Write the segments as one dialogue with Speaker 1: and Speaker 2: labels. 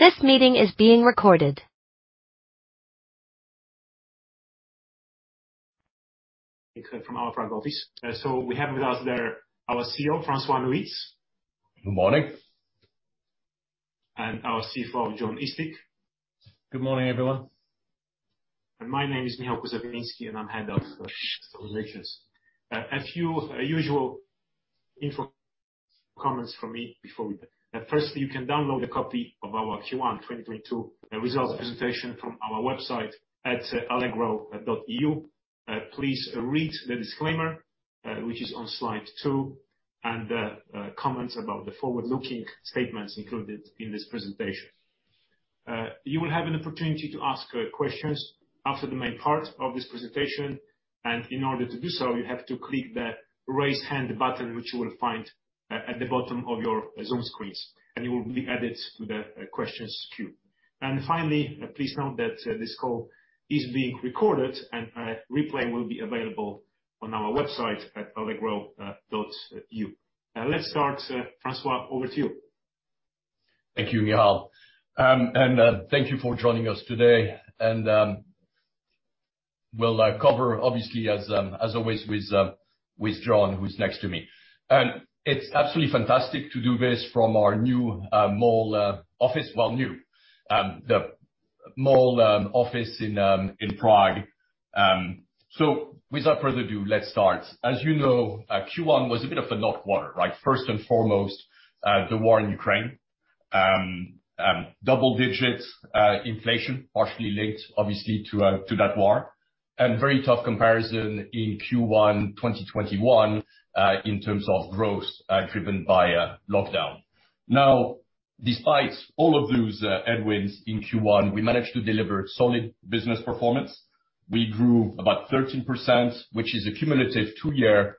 Speaker 1: This meeting is being recorded.
Speaker 2: From our Prague office. We have with us there our CEO, François Nuyts.
Speaker 1: Good morning.
Speaker 2: Our CFO, Jonathan Eastick.
Speaker 3: Good morning, everyone.
Speaker 2: My name is Michał Kuzawiński, and I'm head of Investor Relations. A few usual info comments from me before we begin. Firstly, you can download a copy of our Q1 2022 results presentation from our website at allegro.eu. Please read the disclaimer, which is on slide two, and the comments about the forward-looking statements included in this presentation. You will have an opportunity to ask questions after the main part of this presentation, and in order to do so, you have to click the Raise Hand button, which you will find at the bottom of your Zoom screens, and you will be added to the questions queue. Finally, please note that this call is being recorded and a replay will be available on our website at allegro.eu. Let's start. François, over to you.
Speaker 1: Thank you, Michał. Thank you for joining us today. We'll cover obviously as always with Jonathan Eastick, who's next to me. It's absolutely fantastic to do this from our new Mall office in Prague. Without further ado, let's start. As you know, Q1 was a bit of a rough quarter, right? First and foremost, the war in Ukraine. Double-digit inflation, partially linked obviously to that war, and very tough comparison in Q1 2021 in terms of growth driven by a lockdown. Now, despite all of those headwinds in Q1, we managed to deliver solid business performance. We grew about 13%, which is a cumulative two-year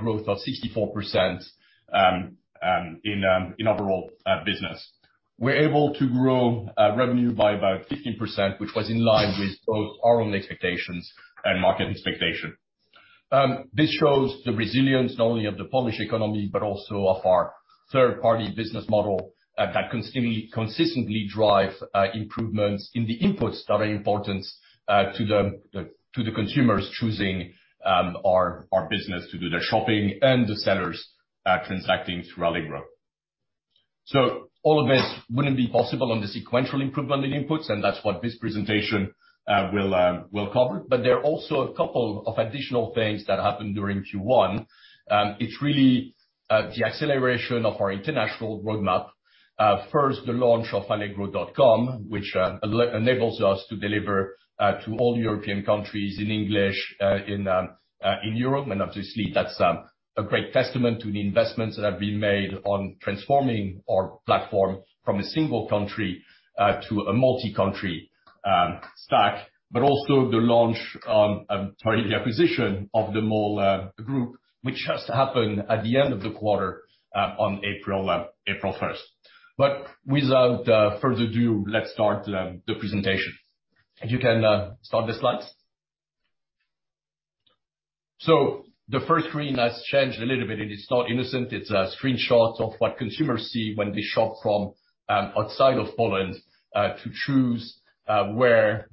Speaker 1: growth of 64% in overall business. We're able to grow revenue by about 50%, which was in line with both our own expectations and market expectation. This shows the resilience not only of the Polish economy but also of our third-party business model that consistently drive improvements in the inputs that are important to the consumers choosing our business to do their shopping and the sellers transacting through Allegro. All of this wouldn't be possible without the sequential improvement in inputs, and that's what this presentation will cover. There are also a couple of additional things that happened during Q1. It's really the acceleration of our international roadmap First, the launch of Allegro.com, which enables us to deliver to all European countries in English in Europe. Obviously, that's a great testament to the investments that have been made on transforming our platform from a single country to a multi-country stack. Also the launch, pardon, the acquisition of the Mall Group, which just happened at the end of the quarter on April first. Without further ado, let's start the presentation. You can start the slides. The first screen has changed a little bit, and it's not innocent. It's a screenshot of what consumers see when they shop from outside of Poland to choose where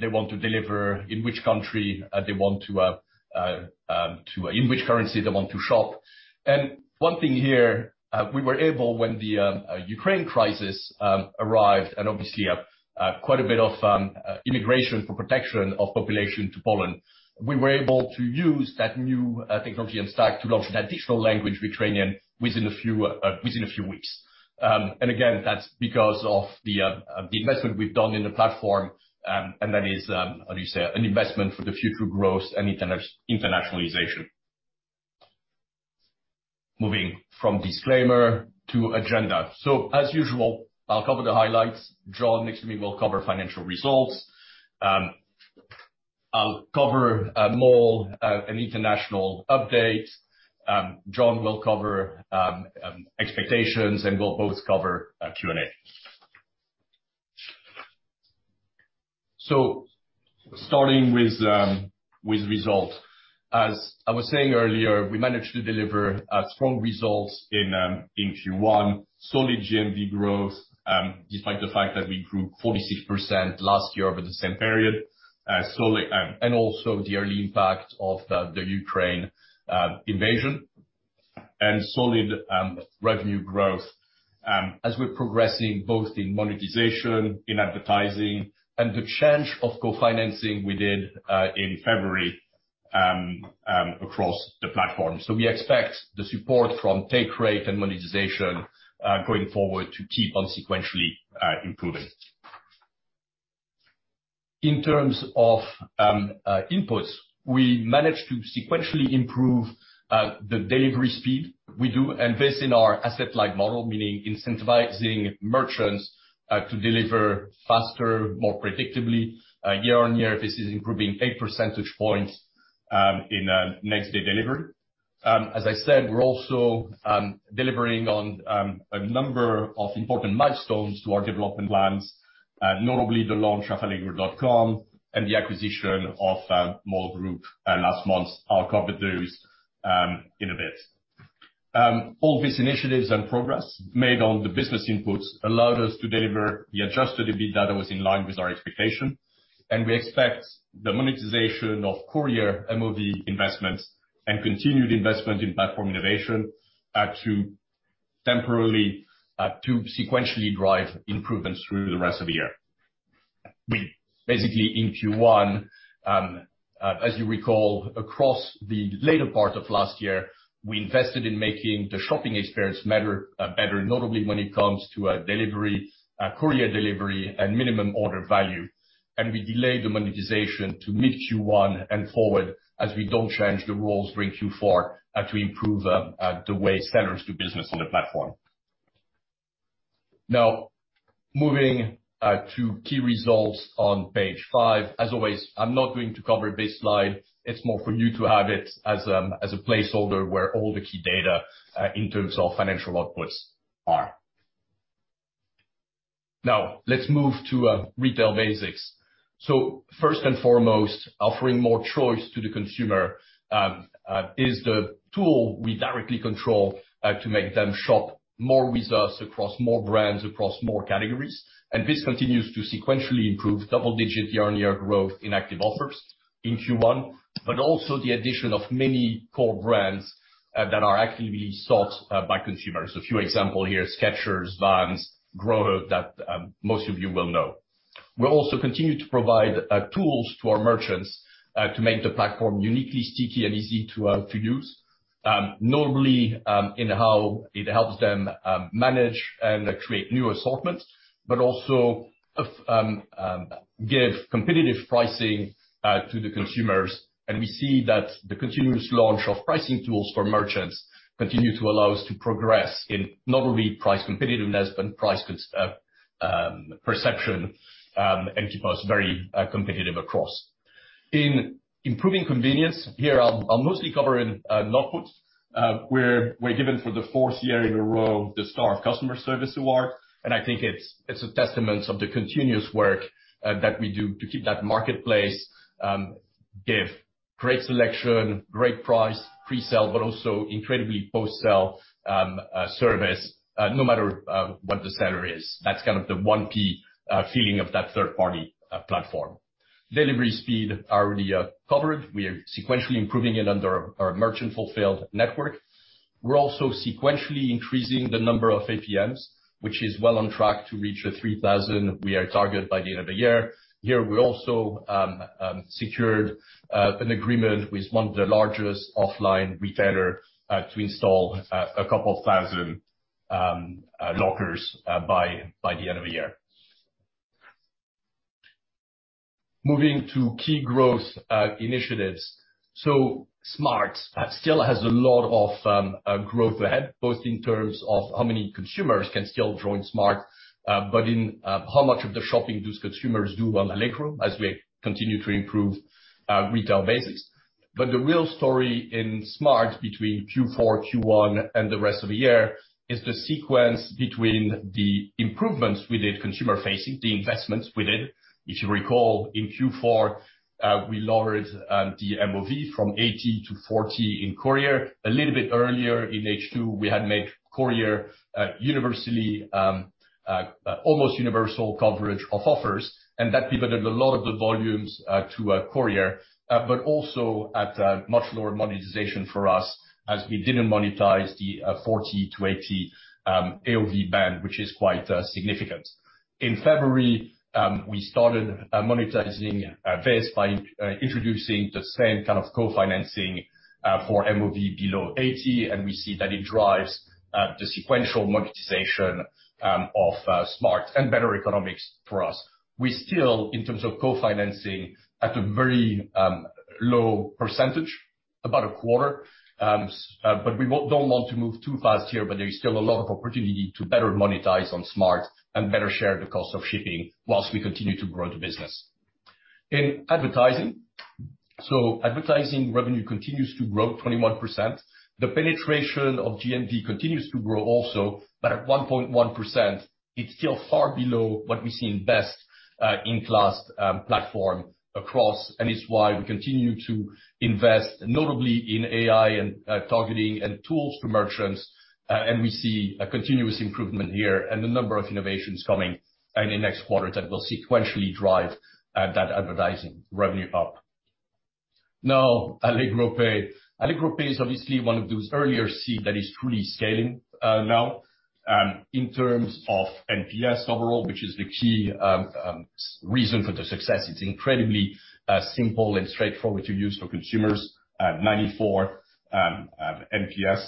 Speaker 1: they want to deliver, in which country they want to. In which currency they want to shop. One thing here, we were able, when the Ukraine crisis arrived and obviously, quite a bit of immigration for protection of population to Poland, we were able to use that new technology and stack to launch an additional language, Ukrainian, within a few weeks. Again, that's because of the investment we've done in the platform. That is, how do you say, an investment for the future growth and internationalization. Moving from disclaimer to agenda. As usual, I'll cover the highlights. Jonathan, next to me, will cover financial results. I'll cover Mall and international update. Jonathan will cover expectations, and we'll both cover Q&A. Starting with results. As I was saying earlier, we managed to deliver strong results in Q1. Solid GMV growth despite the fact that we grew 46% last year over the same period. Solid, and also the early impact of the Ukraine invasion and solid revenue growth as we're progressing both in monetization, in advertising, and the change of co-financing we did in February across the platform. We expect the support from take rate and monetization going forward to keep on sequentially improving. In terms of inputs, we managed to sequentially improve the delivery speed. We do invest in our asset-light model, meaning incentivizing merchants to deliver faster, more predictably. Year-on-year, this is improving eight percentage points in next day delivery. As I said, we're also delivering on a number of important milestones to our development plans. Notably the launch of allegro.com and the acquisition of Mall Group last month. I'll cover those in a bit. All these initiatives and progress made on the business inputs allowed us to deliver the adjusted EBITDA that was in line with our expectation. We expect the monetization of courier MOV investments and continued investment in platform innovation to sequentially drive improvements through the rest of the year. We basically, in Q1, as you recall, across the later part of last year, we invested in making the shopping experience much better, notably when it comes to delivery, courier delivery and minimum order value. We delayed the monetization to mid Q1 and forward, as we don't change the rules during Q4 to improve the way sellers do business on the platform. Now, moving to key results on page five. As always, I'm not going to cover this slide. It's more for you to have it as a placeholder where all the key data in terms of financial outputs are. Now, let's move to retail basics. First and foremost, offering more choice to the consumer is the tool we directly control to make them shop more with us across more brands, across more categories. This continues to sequentially improve double-digit year-on-year growth in active offers in Q1, but also the addition of many core brands that are actively sought by consumers. A few examples here, Skechers, Vans, Grohe, that most of you will know. We also continue to provide tools to our merchants to make the platform uniquely sticky and easy to use. Normally, and how it helps them manage and create new assortments, but also give competitive pricing to the consumers. We see that the continuous launch of pricing tools for merchants continues to allow us to progress in not only price competitiveness and price perception, and keep us very competitive across. In improving convenience, here I'll mostly cover in an update where we're given for the fourth year in a row the Star of Customer Service award. I think it's a testament to the continuous work that we do to keep that marketplace give great selection, great price, pre-sale, but also incredibly post-sale service no matter what the seller is. That's kind of the 1P feeling of that third party platform. Delivery speed already covered. We are sequentially improving it under our merchant-fulfilled network. We're also sequentially increasing the number of APMs, which is well on track to reach the 3,000 we targeted by the end of the year. Here, we also secured an agreement with one of the largest offline retailer to install 2,000 lockers by the end of the year. Moving to key growth initiatives. Smart still has a lot of growth ahead, both in terms of how many consumers can still join Smart, but in how much of the shopping those consumers do on Allegro as we continue to improve retail basics. The real story in Smart between Q4, Q1, and the rest of the year is the sequence between the improvements we did consumer facing, the investments we did. If you recall, in Q4, we lowered the MOV from 80 to 40 in Courier. A little bit earlier in H2, we had made Courier universally almost universal coverage of offers, and that pivoted a lot of the volumes to Courier. Also at a much lower monetization for us as we didn't monetize the 40-80 AOV band, which is quite significant. In February, we started monetizing this by introducing the same kind of co-financing for MOV below 80, and we see that it drives the sequential monetization of Smart and better economics for us. We still, in terms of co-financing, at a very low percentage, about a quarter. We don't want to move too fast here, but there is still a lot of opportunity to better monetize on Smart and better share the cost of shipping while we continue to grow the business. In advertising revenue continues to grow 21%. The penetration of GMV continues to grow also, but at 1.1% it's still far below what we see in best-in-class platform across. It's why we continue to invest notably in AI and targeting and tools for merchants. We see a continuous improvement here and a number of innovations coming in next quarter that will sequentially drive that advertising revenue up. Now, Allegro Pay. Allegro Pay is obviously one of those earlier seed that is truly scaling now. In terms of NPS overall, which is the key reason for the success, it's incredibly simple and straightforward to use for consumers at 94 NPS.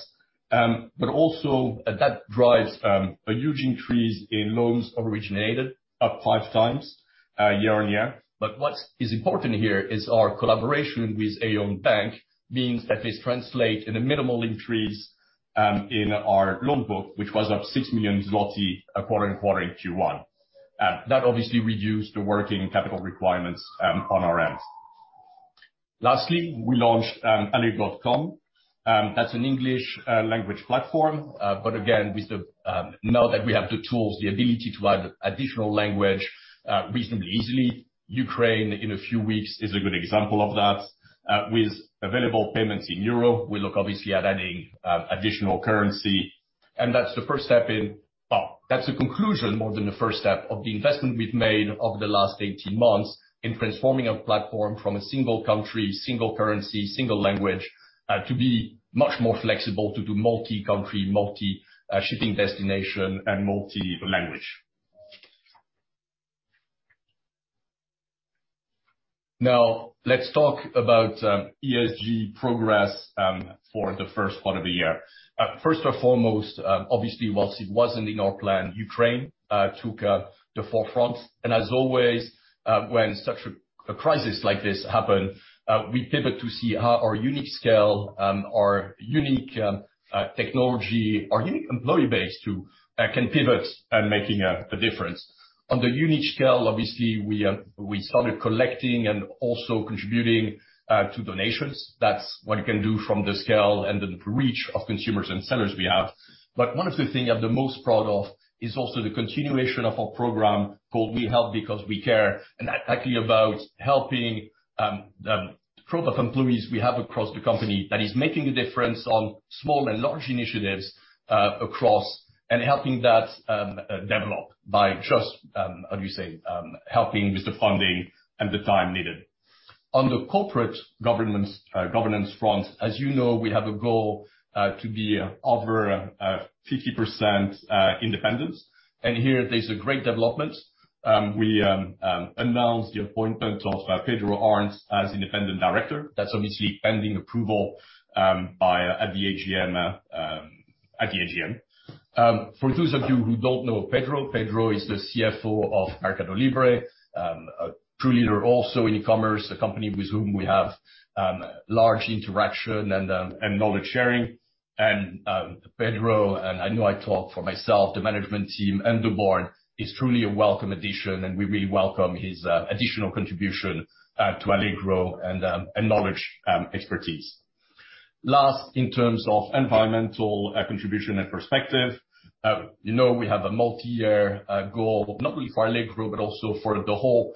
Speaker 1: Also that drives a huge increase in loans originated, up five times year-on-year. What is important here is our collaboration with Aion Bank means that this translate in a minimal increase in our loan book, which was up 6 million zloty quarter-on-quarter in Q1. That obviously reduced the working capital requirements on our end. Lastly, we launched allegro.com. That's an English language platform. Again, with the tools, the ability to add additional language reasonably easily. Ukraine in a few weeks is a good example of that, with available payments in euro. We look obviously at adding additional currency, and that's the conclusion more than the first step of the investment we've made over the last 18 months in transforming our platform from a single country, single currency, single language to be much more flexible to do multi-country, multi shipping destination, and multi-language. Now, let's talk about ESG progress for the first part of the year. First and foremost, obviously, while it wasn't in our plan, Ukraine took the forefront. As always, when such a crisis like this happen, we pivot to see how our unique scale, our unique technology, our unique employee base too, can pivot at making a difference. On the unique scale, obviously we started collecting and also contributing to donations. That's what you can do from the scale and the reach of consumers and sellers we have. One of the things I'm the most proud of is also the continuation of our program called We Help Because We Care, and that's actually about helping group of employees we have across the company that is making a difference on small and large initiatives across and helping that develop by just helping with the funding and the time needed. On the corporate governance front, as you know, we have a goal to be over 50% independence. Here there's a great development. We announced the appointment of Pedro Arnt as independent director. That's obviously pending approval at the AGM. For those of you who don't know Pedro is the CFO of Mercado Libre. A true leader, also in e-commerce, a company with whom we have large interaction and knowledge sharing. Pedro, I know I talk for myself, the management team and the board, is truly a welcome addition, and we really welcome his additional contribution to Allegro and knowledge expertise. Last, in terms of environmental contribution and perspective, you know we have a multi-year goal, not only for Allegro, but also for the whole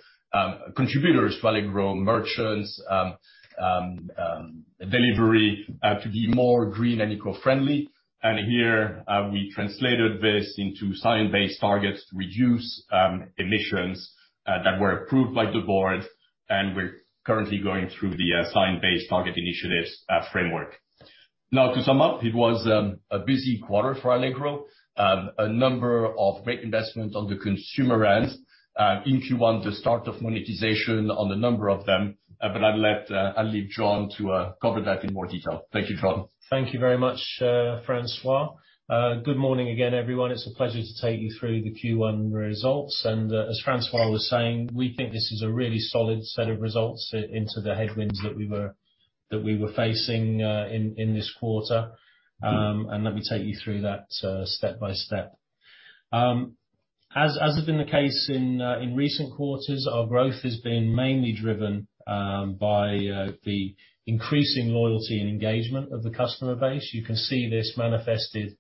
Speaker 1: contributors to Allegro, merchants, delivery, to be more green and eco-friendly. Here, we translated this into science-based targets to reduce emissions that were approved by the board, and we're currently going through the science-based target initiatives framework. Now, to sum up, it was a busy quarter for Allegro. A number of great investments on the consumer end. In Q1, the start of monetization on a number of them, but I'll leave Jon to cover that in more detail. Thank you, Jon.
Speaker 3: Thank you very much, François. Good morning again, everyone. It's a pleasure to take you through the Q1 results. As François was saying, we think this is a really solid set of results into the headwinds that we were facing in this quarter. Let me take you through that step by step. As has been the case in recent quarters, our growth has been mainly driven by the increasing loyalty and engagement of the customer base. You can see this manifested in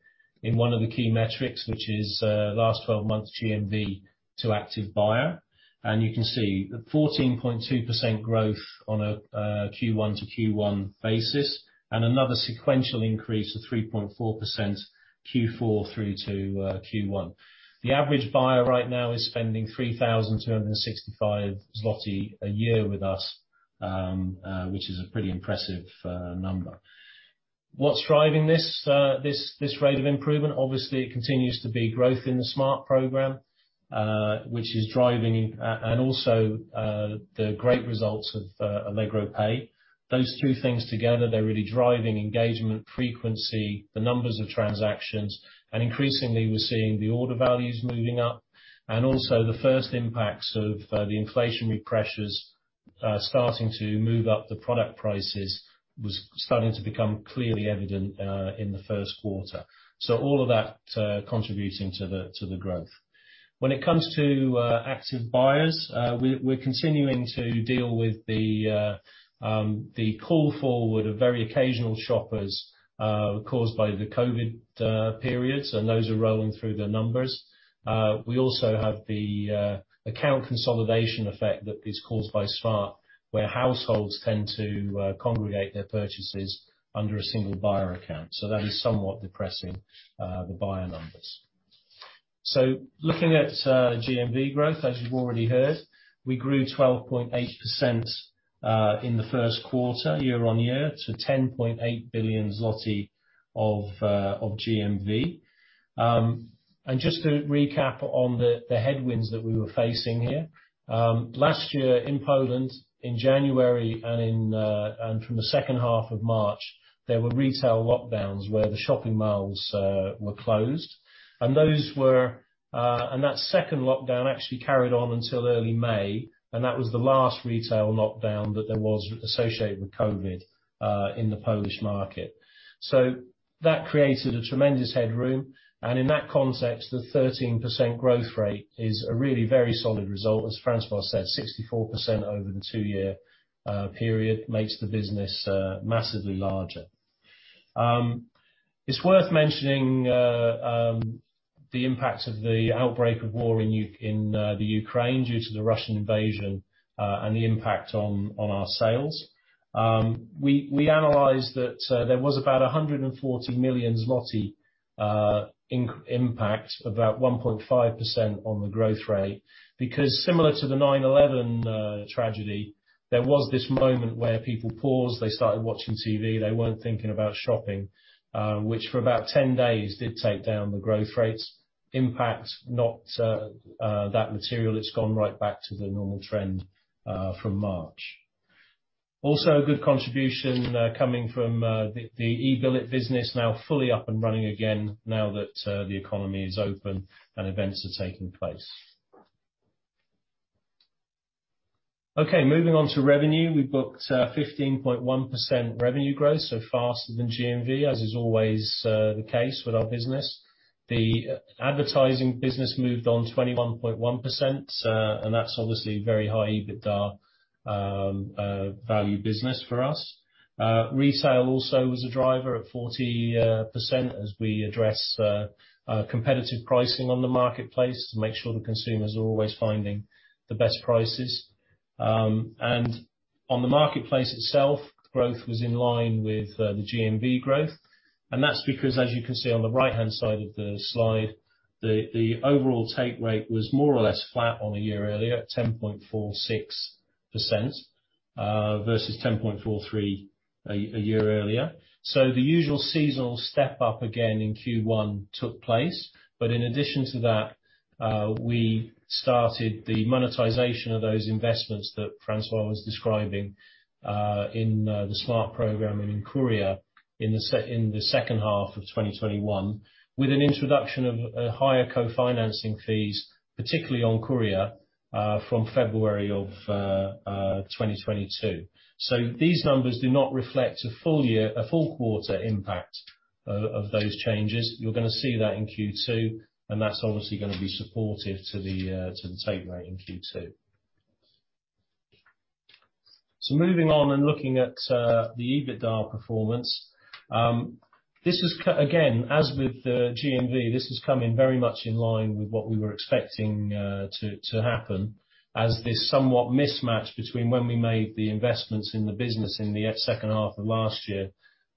Speaker 3: one of the key metrics, which is last twelve months GMV to active buyer. You can see the 14.2% growth on a Q1 to Q1 basis and another sequential increase of 3.4% Q4 through to Q1. The average buyer right now is spending 3,265 zloty a year with us, which is a pretty impressive number. What's driving this rate of improvement? Obviously, it continues to be growth in the Smart program, which is driving and also the great results of Allegro Pay. Those two things together, they're really driving engagement, frequency, the numbers of transactions. Increasingly we're seeing the order values moving up. Also the first impacts of the inflationary pressures starting to move up the product prices was starting to become clearly evident in the first quarter. All of that contributing to the growth. When it comes to active buyers, we're continuing to deal with the carry forward of very occasional shoppers caused by the COVID periods, and those are rolling through the numbers. We also have the account consolidation effect that is caused by Smart, where households tend to congregate their purchases under a single buyer account. That is somewhat depressing the buyer numbers. Looking at GMV growth, as you've already heard, we grew 12.8% in the first quarter year-over-year to 10.8 billion PLN of GMV. Just to recap on the headwinds that we were facing here, last year in Poland, in January and from the second half of March, there were retail lockdowns where the shopping malls were closed. That second lockdown actually carried on until early May, and that was the last retail lockdown that there was associated with COVID in the Polish market. That created a tremendous headroom. In that context, the 13% growth rate is a really very solid result. As François said, 64% over the two-year period makes the business massively larger. It's worth mentioning the impact of the outbreak of war in the Ukraine due to the Russian invasion and the impact on our sales. We analyzed that there was about 140 million zloty impact, about 1.5% on the growth rate, because similar to the 9/11 tragedy, there was this moment where people paused, they started watching TV, they weren't thinking about shopping, which for about 10 days did take down the growth rate impact, not that material, it's gone right back to the normal trend from March. Also, a good contribution coming from the eBilet business now fully up and running again now that the economy is open and events are taking place. Okay, moving on to revenue. We booked 15.1% revenue growth, so faster than GMV, as is always the case with our business. The advertising business moved on 21.1%, and that's obviously a very high EBITDA value business for us. Retail also was a driver at 40% as we address competitive pricing on the marketplace to make sure the consumers are always finding the best prices. On the marketplace itself, growth was in line with the GMV growth. That's because as you can see on the right-hand side of the slide, the overall take rate was more or less flat on the year earlier, at 10.46% versus 10.43% a year earlier. The usual seasonal step up again in Q1 took place. In addition to that, we started the monetization of those investments that François was describing, in the Smart program and in Courier in the second half of 2021, with an introduction of a higher co-financing fees, particularly on Courier, from February of 2022. These numbers do not reflect a full year, a full quarter impact of those changes. You're gonna see that in Q2, and that's obviously gonna be supportive to the take rate in Q2. Moving on and looking at the EBITDA performance. This has come again, as with the GMV, this is coming very much in line with what we were expecting to happen, as this somewhat mismatch between when we made the investments in the business in the second half of last year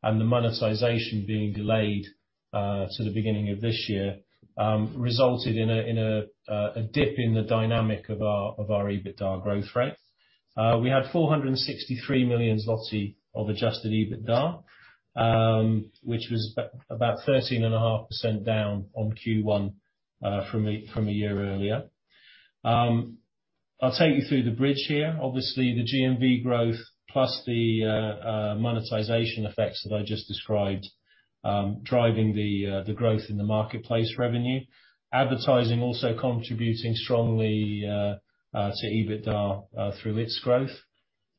Speaker 3: and the monetization being delayed to the beginning of this year resulted in a dip in the dynamic of our EBITDA growth rate. We had 463 million zloty of adjusted EBITDA, which was about 13.5% down on Q1 from a year earlier. I'll take you through the bridge here. Obviously, the GMV growth, plus the monetization effects that I just described, driving the growth in the marketplace revenue. Advertising also contributing strongly to EBITDA through its growth.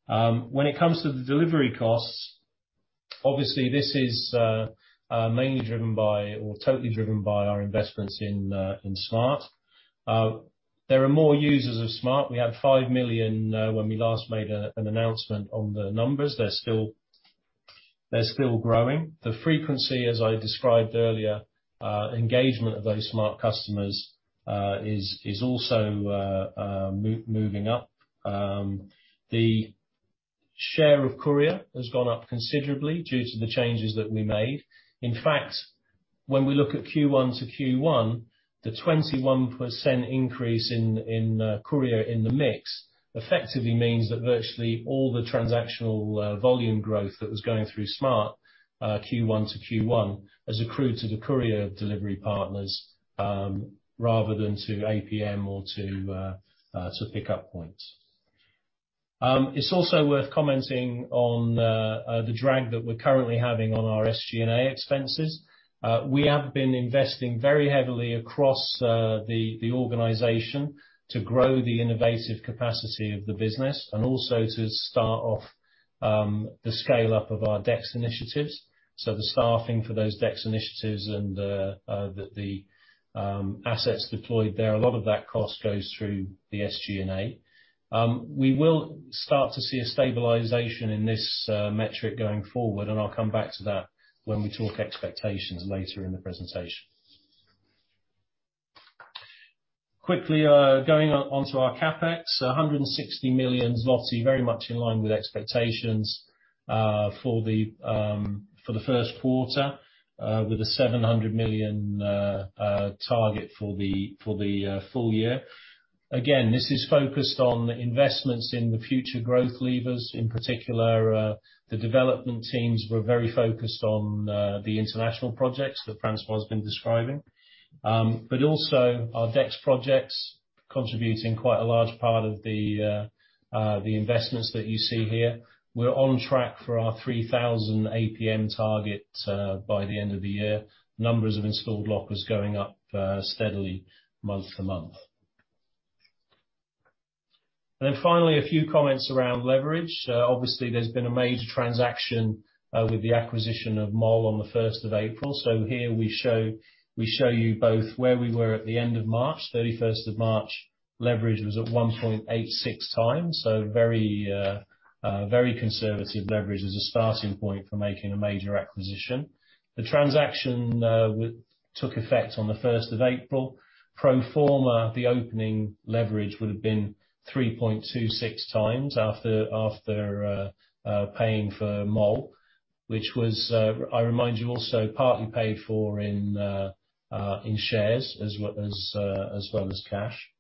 Speaker 3: When it comes to the delivery costs, obviously, this is mainly driven by or totally driven by our investments in Smart. There are more users of Smart. We had 5 million when we last made an announcement on the numbers. They're still growing. The frequency, as I described earlier, engagement of those Smart customers is also moving up. The share of Courier has gone up considerably due to the changes that we made. In fact, when we look at Q1 to Q1, the 21% increase in Courier in the mix effectively means that virtually all the transactional volume growth that was going through Smart Q1 to Q1 has accrued to the Courier delivery partners rather than to APM or to pick-up points. It's also worth commenting on the drag that we're currently having on our SG&A expenses. We have been investing very heavily across the organization to grow the innovative capacity of the business and also to start off the scale-up of our DEX initiatives. The staffing for those DEX initiatives and the assets deployed there, a lot of that cost goes through the SG&A. We will start to see a stabilization in this metric going forward, and I'll come back to that when we talk expectations later in the presentation. Quickly, going onto our CapEx, 160 million zloty, very much in line with expectations for the first quarter, with a 700 million target for the full year. Again, this is focused on investments in the future growth levers. In particular, the development teams were very focused on the international projects that François has been describing. Also our DEX projects contributing quite a large part of the investments that you see here. We're on track for our 3,000 APM target by the end of the year. Numbers of installed lockers going up steadily month to month. Finally, a few comments around leverage. Obviously, there's been a major transaction with the acquisition of Mall on the 1st of April. Here we show you both where we were at the end of March, 31st of March. Leverage was at 1.86 times, so very conservative leverage as a starting point for making a major acquisition. The transaction took effect on the 1st of April. Pro forma, the opening leverage would have been 3.26 times after paying for Mall, which was, I remind you, also partly paid for in shares as well as cash.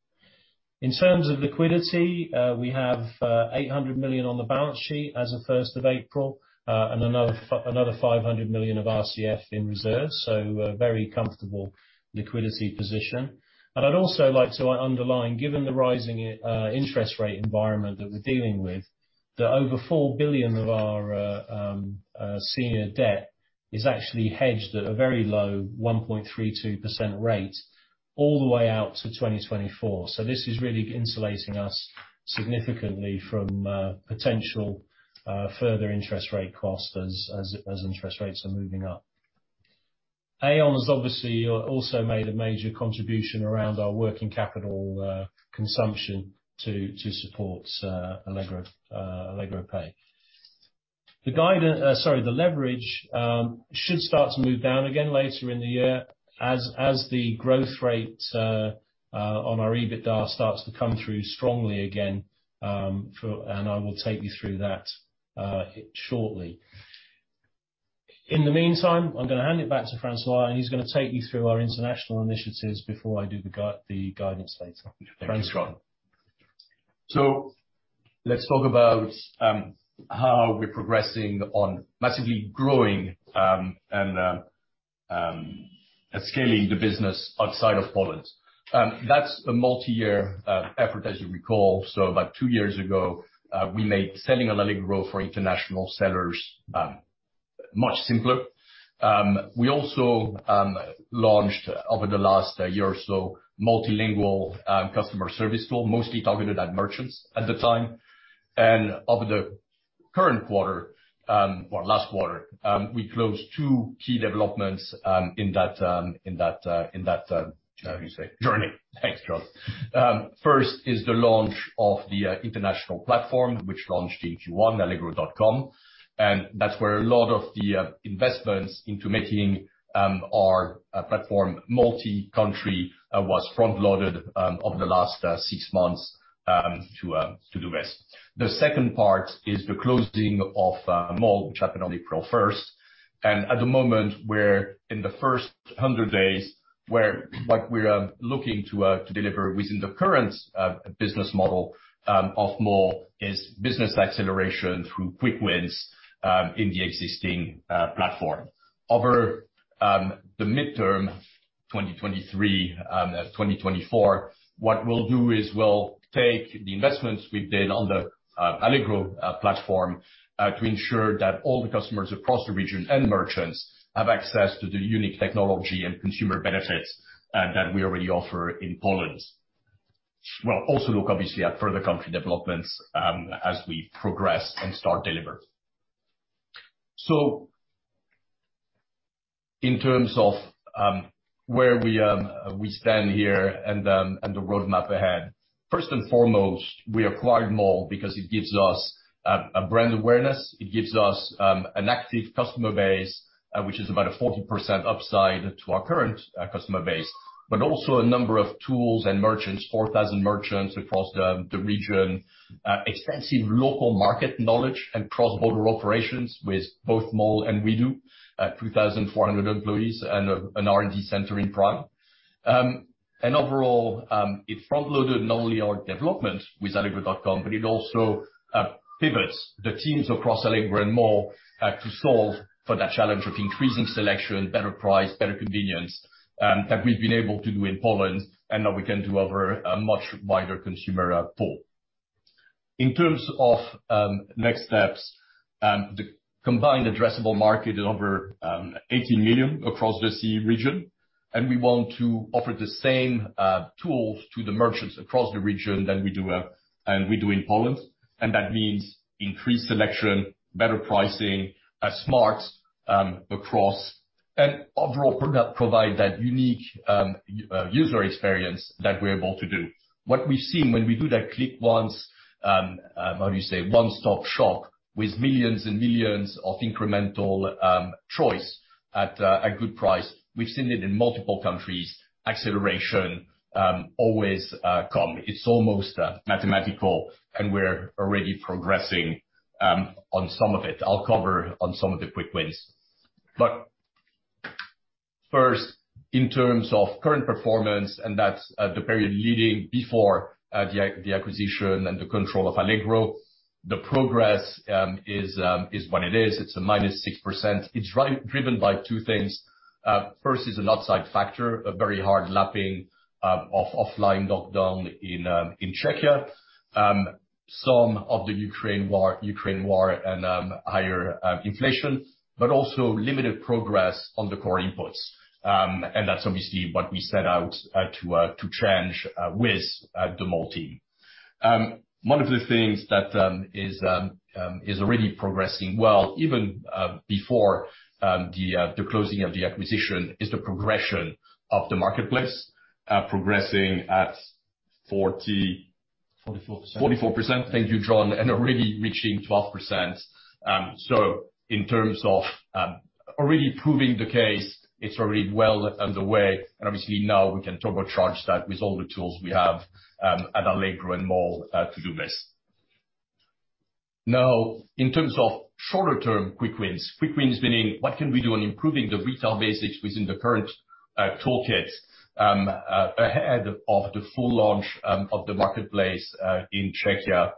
Speaker 3: In terms of liquidity, we have 800 million on the balance sheet as of 1st of April, and another 500 million of RCF in reserves. A very comfortable liquidity position. I'd also like to underline, given the rising interest rate environment that we're dealing with, that over 4 billion of our senior debt is actually hedged at a very low 1.32% rate all the way out to 2024. This is really insulating us significantly from potential further interest rate costs as interest rates are moving up. Aion has obviously also made a major contribution around our working capital consumption to support Allegro Pay. The leverage should start to move down again later in the year as the growth rate on our EBITDA starts to come through strongly again, and I will take you through that shortly. In the meantime, I'm gonna hand it back to François, and he's gonna take you through our international initiatives before I do the guidance later. François?
Speaker 1: Thanks, Jon. Let's talk about how we're progressing on massively growing and scaling the business outside of Poland. That's a multi-year effort, as you recall. About two years ago, we made selling on Allegro for international sellers much simpler. We also launched over the last year or so multilingual customer service tool, mostly targeted at merchants at the time. Over the current quarter or last quarter, we closed two key developments in that journey. Thanks, Jon. First is the launch of the international platform, which launched in Q1 Allegro.com. That's where a lot of the investments into making our platform multi-country was front loaded over the last six months to do this. The second part is the closing of Mall, which happened on April 1. At the moment, we're in the first 100 days. We are looking to deliver within the current business model of Mall's business acceleration through quick wins in the existing platform. Over the midterm, 2023, 2024, what we'll do is we'll take the investments we've made on the Allegro platform to ensure that all the customers across the region and merchants have access to the unique technology and consumer benefits that we already offer in Poland. We'll also look obviously at further country developments, as we progress and start to deliver. In terms of where we stand here and the roadmap ahead, first and foremost, we acquired Mall because it gives us a brand awareness. It gives us an active customer base, which is about a 40% upside to our current customer base, but also a number of tools and merchants, 4,000 merchants across the region, extensive local market knowledge and cross-border operations with both Mall and WE|DO, 2,400 employees and an R&D center in Prague. Overall, it front-loaded not only our development with Allegro.com, but it also pivots the teams across Allegro and Mall to solve for that challenge of increasing selection, better price, better convenience that we've been able to do in Poland and that we can do over a much wider consumer pool. In terms of next steps, the combined addressable market is over 18 million across the CEE region, and we want to offer the same tools to the merchants across the region that we do in Poland. That means increased selection, better pricing, Smart! across and overall product provide that unique user experience that we're able to do. What we've seen when we do that click once, how you say, one-stop shop with millions and millions of incremental choice at a good price, we've seen it in multiple countries, acceleration always come. It's almost mathematical, and we're already progressing on some of it. I'll cover on some of the quick wins. First, in terms of current performance, and that's the period leading before the acquisition and the control of Allegro, the progress is what it is. It's minus 6%. It's driven by two things. First is an upside factor, a very hard lapping of the lockdown in Czechia, some of the Ukraine war and higher inflation, but also limited progress on the core inputs. That's obviously what we set out to change with the Mall team. One of the things that is already progressing well, even before the closing of the acquisition is the progression of the marketplace, progressing at 40-.
Speaker 3: 44%.
Speaker 1: 44%. Thank you, Jon. Already reaching 12%. In terms of already proving the case, it's already well underway, and obviously, now we can turbocharge that with all the tools we have at Allegro and Mall to do this. Now, in terms of shorter-term quick wins, quick wins meaning what can we do on improving the retail basics within the current toolkit ahead of the full launch of the marketplace in Czechia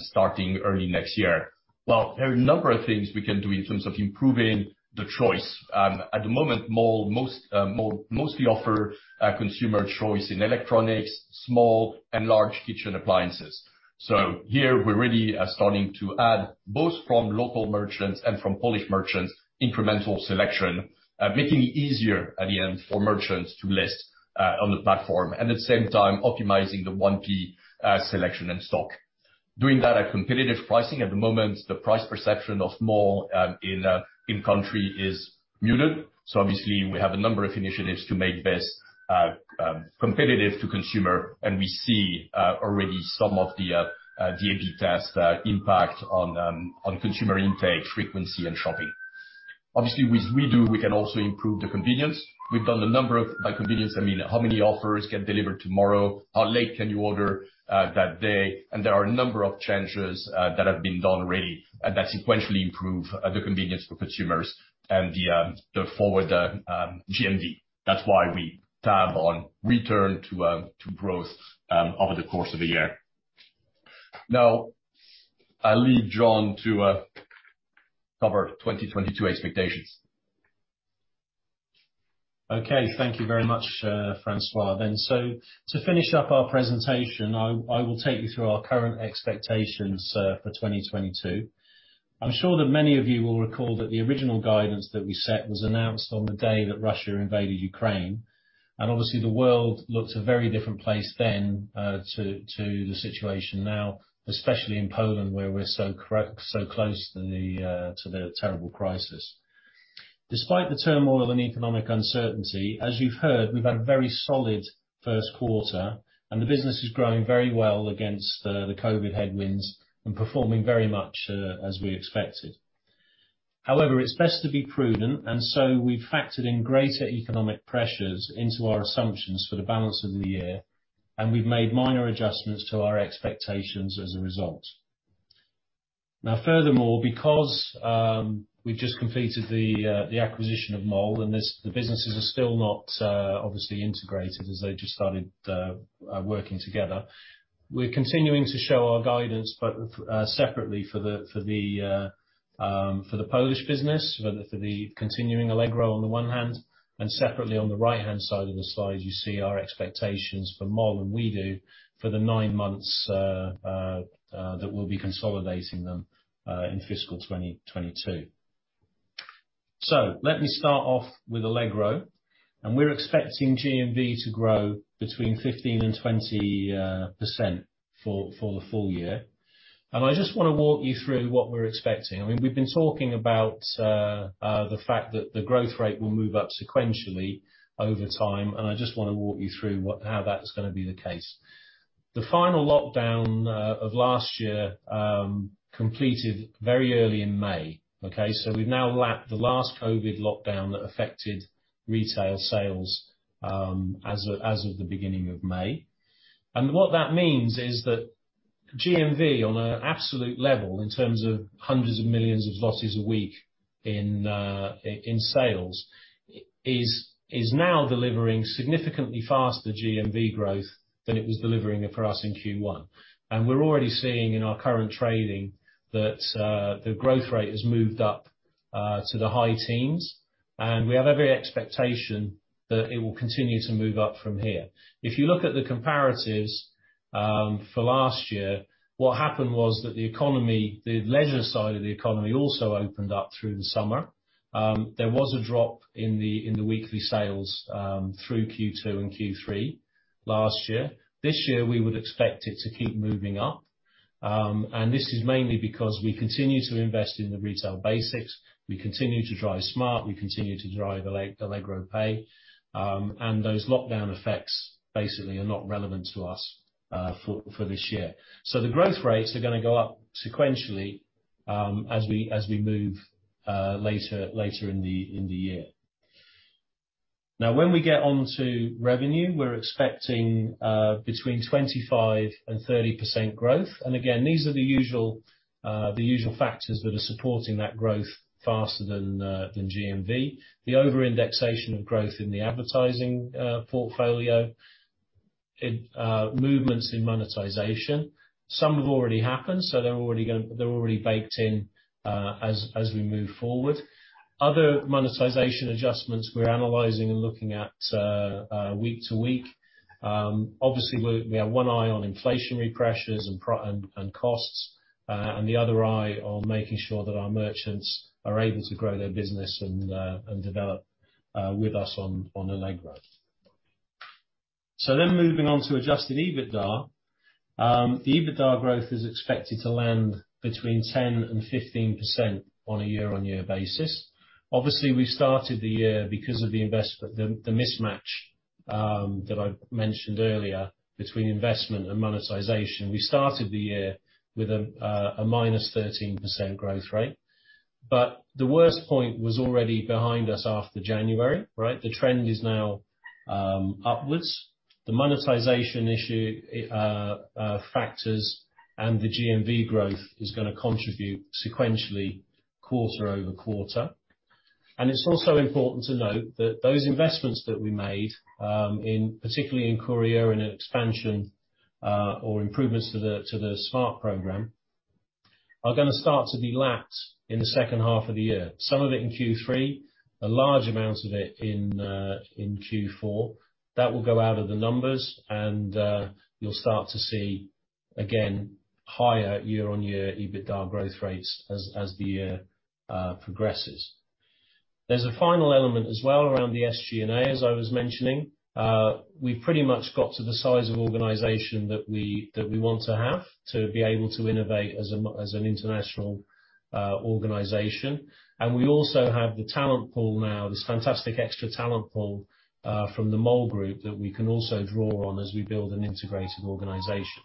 Speaker 1: starting early next year. Well, there are a number of things we can do in terms of improving the choice. At the moment, Mall mostly offer a consumer choice in electronics, small and large kitchen appliances. Here, we really are starting to add both from local merchants and from Polish merchants incremental selection, making it easier at the end for merchants to list on the platform, and at the same time optimizing the 1P selection and stock. Doing that at competitive pricing. At the moment, the price perception of Mall in country is muted, so obviously we have a number of initiatives to make this competitive to consumer, and we see already some of the A/B tests that impact on consumer intake, frequency, and shopping. Obviously, with WE|DO, we can also improve the convenience. We've done a number of. By convenience, I mean how many offers get delivered tomorrow, how late can you order that day, and there are a number of changes that have been done already, and that sequentially improve the convenience for consumers and the forward GMV. That's why we bet on return to growth over the course of a year. Now, I leave Jon to cover 2022 expectations.
Speaker 3: Okay, thank you very much, François. To finish up our presentation, I will take you through our current expectations for 2022. I'm sure that many of you will recall that the original guidance that we set was announced on the day that Russia invaded Ukraine, and obviously, the world looked a very different place then, to the situation now, especially in Poland, where we're so close to the terrible crisis. Despite the turmoil and economic uncertainty, as you've heard, we've had a very solid first quarter, and the business is growing very well against the COVID headwinds and performing very much as we expected. However, it's best to be prudent, and so we've factored in greater economic pressures into our assumptions for the balance of the year, and we've made minor adjustments to our expectations as a result. Now, furthermore, because we've just completed the acquisition of Mall and the businesses are still not obviously integrated as they just started working together, we're continuing to show our guidance but separately for the Polish business, for the continuing Allegro on the one hand, and separately on the right-hand side of the slide, you see our expectations for Mall and WE|DO for the nine months that we'll be consolidating them in fiscal 2022. Let me start off with Allegro, and we're expecting GMV to grow between 15%-20% for the full year. I just wanna walk you through what we're expecting. I mean, we've been talking about the fact that the growth rate will move up sequentially over time, and I just wanna walk you through how that's gonna be the case. The final lockdown of last year completed very early in May, okay? We've now lapped the last COVID lockdown that affected retail sales as of the beginning of May. What that means is that GMV on an absolute level, in terms of hundreds of millions of PLN a week in sales, is now delivering significantly faster GMV growth than it was delivering it for us in Q1. We're already seeing in our current trading that the growth rate has moved up to the high teens, and we have every expectation that it will continue to move up from here. If you look at the comparatives for last year, what happened was that the economy, the leisure side of the economy also opened up through the summer. There was a drop in the weekly sales through Q2 and Q3 last year. This year, we would expect it to keep moving up, and this is mainly because we continue to invest in the retail basics. We continue to drive Allegro Smart!, we continue to drive Allegro Pay, and those lockdown effects basically are not relevant to us for this year. The growth rates are gonna go up sequentially as we move later in the year. Now, when we get onto revenue, we're expecting between 25% and 30% growth. Again, these are the usual factors that are supporting that growth faster than GMV. The over-indexation of growth in the advertising portfolio, movements in monetization. Some have already happened, so they're already baked in as we move forward. Other monetization adjustments we're analyzing and looking at week to week. Obviously, we have one eye on inflationary pressures and costs and the other eye on making sure that our merchants are able to grow their business and develop with us on Allegro. Moving on to adjusted EBITDA. The EBITDA growth is expected to land between 10%-15% on a year-on-year basis. Obviously, we started the year because of the mismatch that I mentioned earlier between investment and monetization. We started the year with a -13% growth rate, but the worst point was already behind us after January, right? The trend is now upwards. The monetization issue factors and the GMV growth is gonna contribute sequentially quarter-over-quarter. It's also important to note that those investments that we made in particular in courier and expansion or improvements to the Smart! program are gonna start to be lapped in the second half of the year. Some of it in Q3, a large amount of it in Q4. That will go out of the numbers and you'll start to see, again, higher year-on-year EBITDA growth rates as the year progresses. There's a final element as well around the SG&A, as I was mentioning. We pretty much got to the size of organization that we want to have to be able to innovate as an international organization. We also have the talent pool now, this fantastic extra talent pool from the Mall Group that we can also draw on as we build an integrated organization.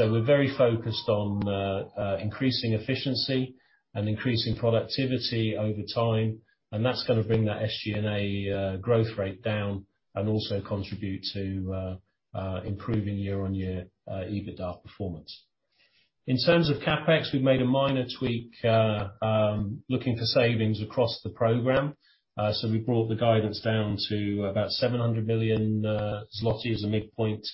Speaker 3: We're very focused on increasing efficiency and increasing productivity over time, and that's gonna bring that SG&A growth rate down, and also contribute to improving year-on-year EBITDA performance. In terms of CapEx, we've made a minor tweak looking for savings across the program. We brought the guidance down to about 700 million zloty as a midpoint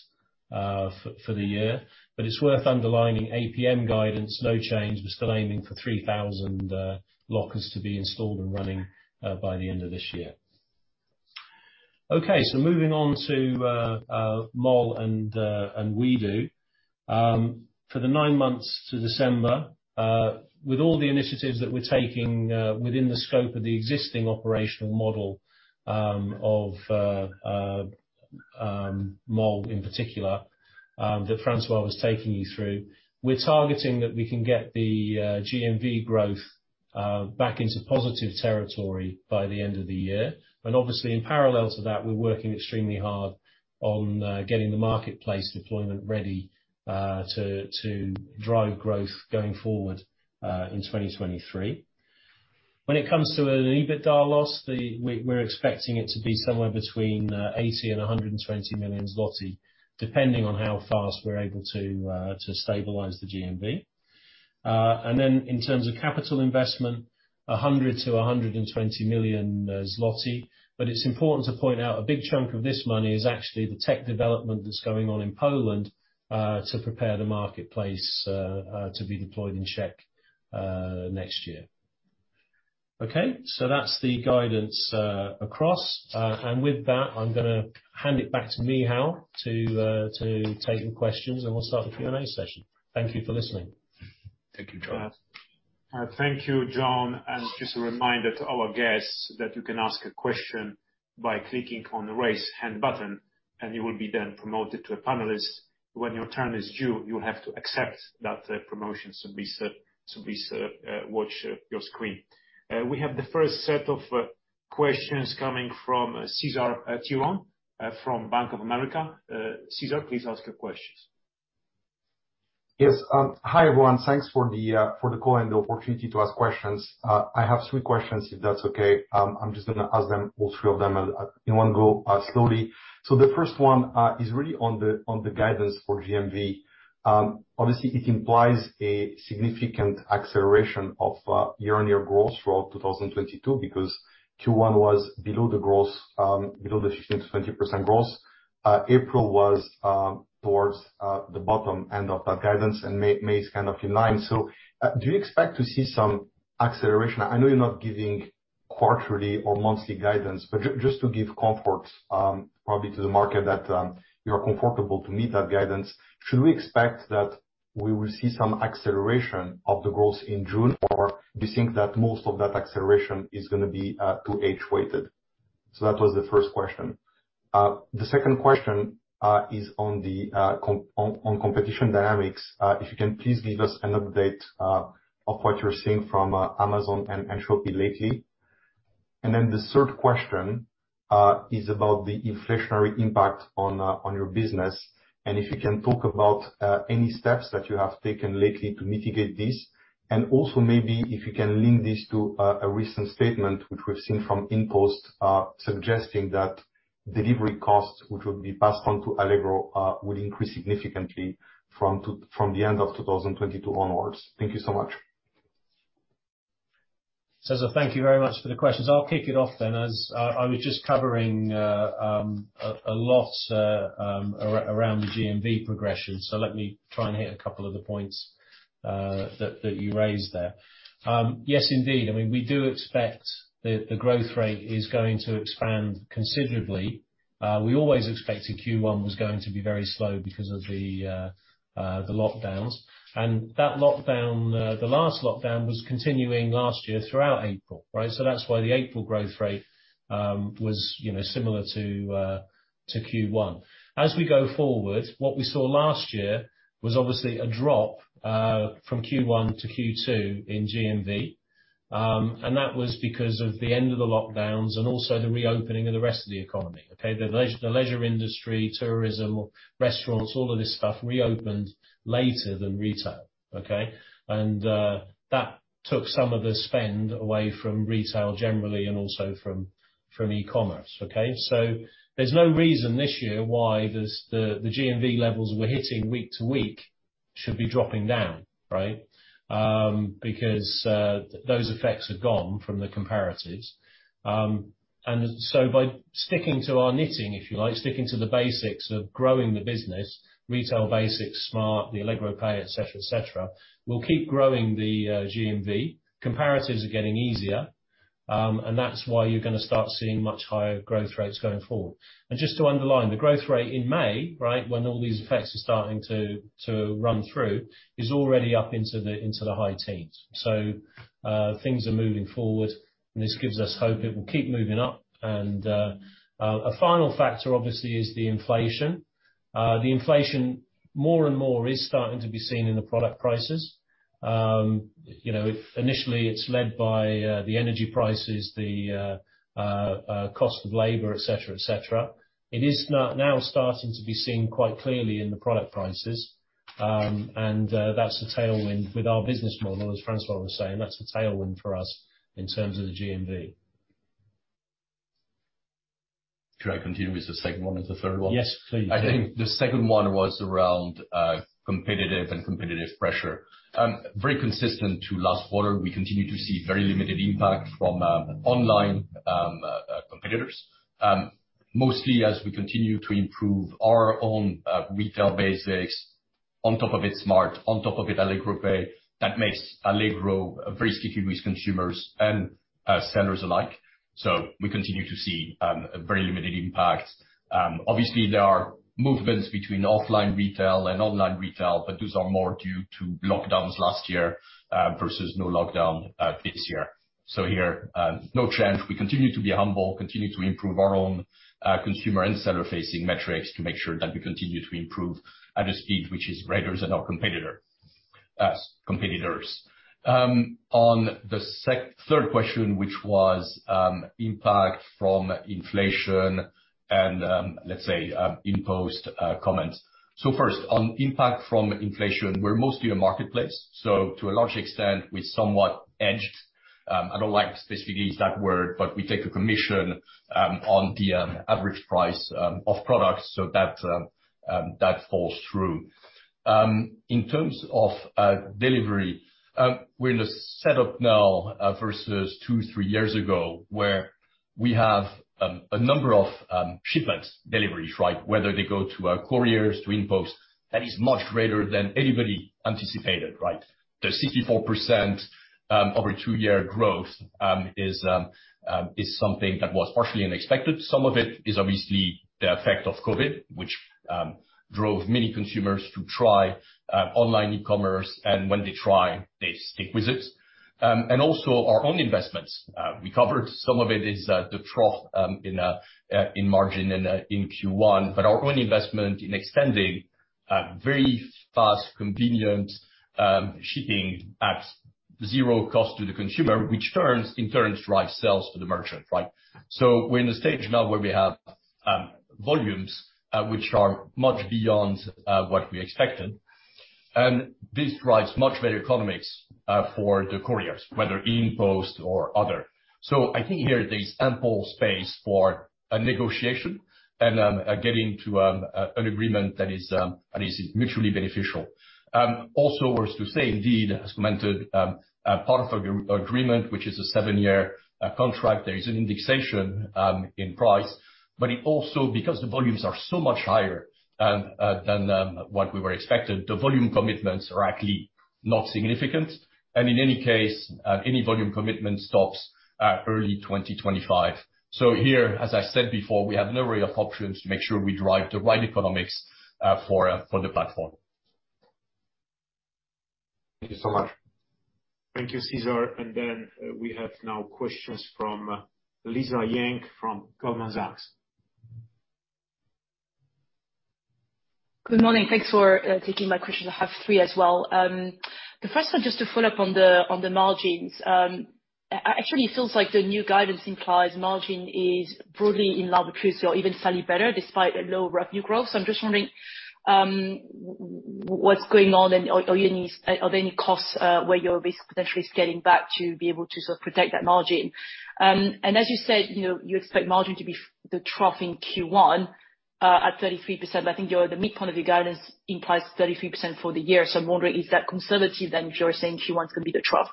Speaker 3: for the year. It's worth underlining APM guidance, no change. We're still aiming for 3,000 lockers to be installed and running by the end of this year. Moving on to Mall and WE|DO. For the nine months to December, with all the initiatives that we're taking within the scope of the existing operational model of Mall in particular, that François was taking you through, we're targeting that we can get the GMV growth back into positive territory by the end of the year. Obviously, in parallel to that, we're working extremely hard on getting the marketplace deployment ready to drive growth going forward in 2023. When it comes to an EBITDA loss, we're expecting it to be somewhere between 80 million and 120 million zloty, depending on how fast we're able to stabilize the GMV. And then in terms of capital investment, 100 million to 120 million zloty, but it's important to point out a big chunk of this money is actually the tech development that's going on in Poland to prepare the marketplace to be deployed in Czech next year. Okay, so that's the guidance across. And with that, I'm gonna hand it back to Michał to take questions, and we'll start the Q&A session. Thank you for listening.
Speaker 2: Thank you, Jon. Thank you, Jon. Just a reminder to our guests that you can ask a question by clicking on the Raise Hand button, and you will be then promoted to a panelist. When your turn is due, you'll have to accept that promotion, so please watch your screen. We have the first set of questions coming from Cesar Tiron from Bank of America. César, please ask your questions.
Speaker 4: Yes. Hi, everyone. Thanks for the call and the opportunity to ask questions. I have three questions, if that's okay. I'm just gonna ask them, all three of them in one go, slowly. The first one is really on the guidance for GMV. Obviously it implies a significant acceleration of year-on-year growth for all of 2022, because Q1 was below the growth, below the 15%-20% growth. April was towards the bottom end of that guidance, and May is kind of in line. Do you expect to see some acceleration? I know you're not giving quarterly or monthly guidance, but just to give comfort, probably to the market that you are comfortable to meet that guidance, should we expect that we will see some acceleration of the growth in June, or do you think that most of that acceleration is gonna be 2H weighted? That was the first question. The second question is on the competition dynamics. If you can please give us an update of what you're seeing from Amazon and Shopee lately. The third question is about the inflationary impact on your business, and if you can talk about any steps that you have taken lately to mitigate this. Also maybe if you can link this to a recent statement which we've seen from InPost, suggesting that delivery costs, which will be passed on to Allegro, will increase significantly from the end of 2022 onwards. Thank you so much.
Speaker 3: César, thank you very much for the questions. I'll kick it off then, as I was just covering a lot around the GMV progression. Let me try and hit a couple of the points that you raised there. Yes, indeed. I mean, we do expect the growth rate is going to expand considerably. We always expected Q1 was going to be very slow because of the lockdowns. That lockdown, the last lockdown was continuing last year throughout April, right? That's why the April growth rate was, you know, similar to Q1. As we go forward, what we saw last year was obviously a drop from Q1 to Q2 in GMV. That was because of the end of the lockdowns, and also the reopening of the rest of the economy, okay. The leisure industry, tourism, restaurants, all of this stuff reopened later than retail, okay. That took some of the spend away from retail generally, and also from e-commerce, okay. There's no reason this year why the GMV levels we're hitting week to week should be dropping down, right. Those effects are gone from the comparatives. By sticking to our knitting, if you like, sticking to the basics of growing the business, retail basics, Smart!, the Allegro Pay, et cetera, et cetera, we'll keep growing the GMV. Comparatives are getting easier, and that's why you're gonna start seeing much higher growth rates going forward. Just to underline, the growth rate in May, right, when all these effects are starting to run through, is already up into the high teens. Things are moving forward and this gives us hope it will keep moving up. A final factor obviously is the inflation. The inflation more and more is starting to be seen in the product prices. You know, if initially it's led by the energy prices, the cost of labor, et cetera, it is now starting to be seen quite clearly in the product prices. That's a tailwind with our business model, as François was saying, that's a tailwind for us in terms of the GMV.
Speaker 1: Should I continue with the second one and the third one?
Speaker 3: Yes, please.
Speaker 1: I think the second one was around competitive pressure. Very consistent to last quarter, we continue to see very limited impact from online competitors. Mostly as we continue to improve our own retail basics on top of it, Smart on top of it, Allegro Pay, that makes Allegro very sticky with consumers and sellers alike. We continue to see a very limited impact. Obviously there are movements between offline retail and online retail, but those are more due to lockdowns last year versus no lockdown this year. Here, no trend. We continue to be humble, continue to improve our own consumer and seller-facing metrics to make sure that we continue to improve at a speed which is greater than our competitors. On the third question, which was impact from inflation and let's say InPost comments. First, on impact from inflation, we're mostly a marketplace. To a large extent, we're somewhat hedged. I don't like to specifically use that word, but we take a commission on the average price of products, so that falls through. In terms of delivery, we're in a setup now versus two, three years ago, where we have a number of shipments, deliveries, right? Whether they go to our couriers, to InPost, that is much greater than anybody anticipated, right? The 64% over two-year growth is something that was partially unexpected. Some of it is obviously the effect of COVID, which drove many consumers to try online e-commerce, and when they try, they stick with it. Also our own investments. We covered some of it, the trough in margins in Q1, but our own investment in extending very fast, convenient shipping at zero cost to the consumer, which, in turn, drives sales to the merchant, right? We're in a stage now where we have volumes which are much beyond what we expected. This drives much better economics for the couriers, whether InPost or other. I think here there's ample space for a negotiation and getting to an agreement that is mutually beneficial. Also worth to say, indeed, as mentioned, a part of agreement, which is a seven-year contract, there is an indexation in price. It also, because the volumes are so much higher than what we were expected, the volume commitments are actually not significant. In any case, any volume commitment stops early 2025. Here, as I said before, we have a number of options to make sure we drive the right economics for the platform.
Speaker 4: Thank you so much.
Speaker 3: Thank you, César. We now have questions from Lisa Yang from Goldman Sachs.
Speaker 5: Good morning. Thanks for taking my questions. I have three as well. The first one, just to follow up on the margins. Actually it feels like the new guidance implies margin is broadly in line with true, so even slightly better despite a low revenue growth. I'm just wondering, what's going on and are there any costs where you're basically potentially scaling back to be able to sort of protect that margin? As you said, you know, you expect margin to be the trough in Q1 at 33%. I think the midpoint of your guidance implies 33% for the year. I'm wondering is that conservative then if you're saying Q1 is gonna be the trough?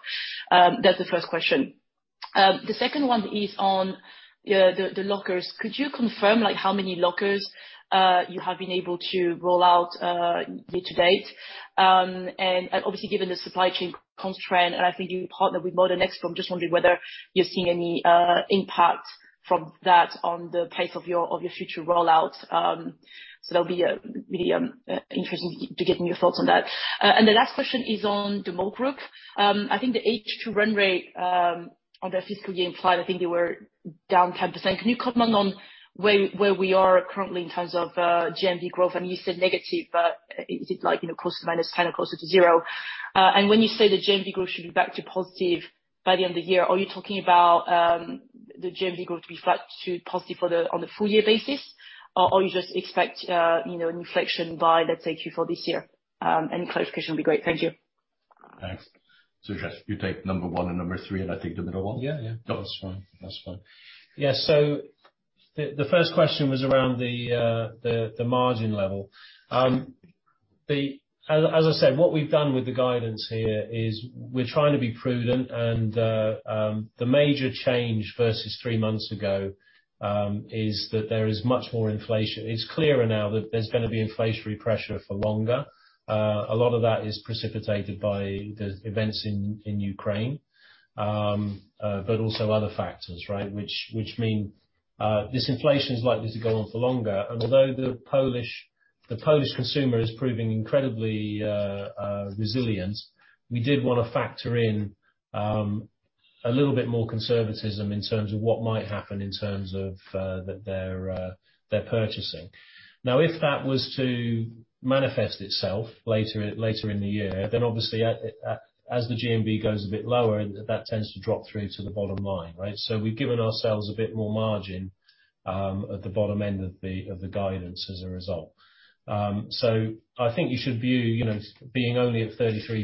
Speaker 5: That's the first question. The second one is on the lockers. Could you confirm, like, how many lockers you have been able to roll out to date? Obviously given the supply chain constraint, and I think you partner with Modern Expo, I'm just wondering whether you're seeing any impact from that on the pace of your future roll out. That'll be really interesting to get your thoughts on that. The last question is on the Mall Group. I think the H2 run rate on their fiscal year implied, I think they were down 10%. Can you comment on where we are currently in terms of GMV growth? I mean, you said negative, but is it like, you know, close to minus 10% or closer to zero? When you say the GMV growth should be back to positive by the end of the year, are you talking about the GMV growth to be flat to positive for the on the full year basis? Or you just expect you know an inflection by let's say Q4 this year? Any clarification would be great. Thank you.
Speaker 1: Thanks. Josh, you take number one and number three, and I take the middle one.
Speaker 3: Yeah, yeah.
Speaker 1: That's fine.
Speaker 3: The first question was around the margin level. As I said, what we've done with the guidance here is we're trying to be prudent and the major change versus three months ago is that there is much more inflation. It's clearer now that there's gonna be inflationary pressure for longer. A lot of that is precipitated by the events in Ukraine, but also other factors, right? Which mean this inflation is likely to go on for longer. Although the Polish consumer is proving incredibly resilient, we did wanna factor in a little bit more conservatism in terms of what might happen in terms of their purchasing. Now, if that was to manifest itself later in the year, then obviously as the GMV goes a bit lower, that tends to drop through to the bottom line, right? We've given ourselves a bit more margin at the bottom end of the guidance as a result. I think you should view, you know, being only at 33%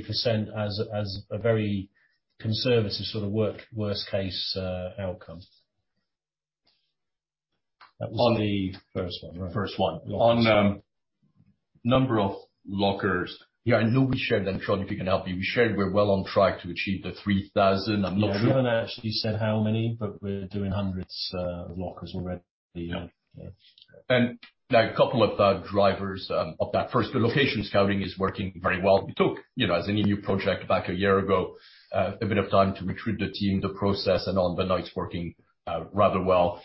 Speaker 3: as a very conservative sort of worst case outcome.
Speaker 1: On the first one, right?
Speaker 3: First one.
Speaker 1: On number of lockers. Yeah, I know we shared them. Jon Eastick, if you can help me. We shared we're well on track to achieve the 3,000.
Speaker 3: Yeah, we haven't actually said how many, but we're doing hundreds of lockers already.
Speaker 1: Yeah.
Speaker 3: Yeah.
Speaker 1: A couple of drivers of that. First, the location scouting is working very well. It took, you know, as any new project back a year ago, a bit of time to recruit the team, the process and all, but now it's working rather well.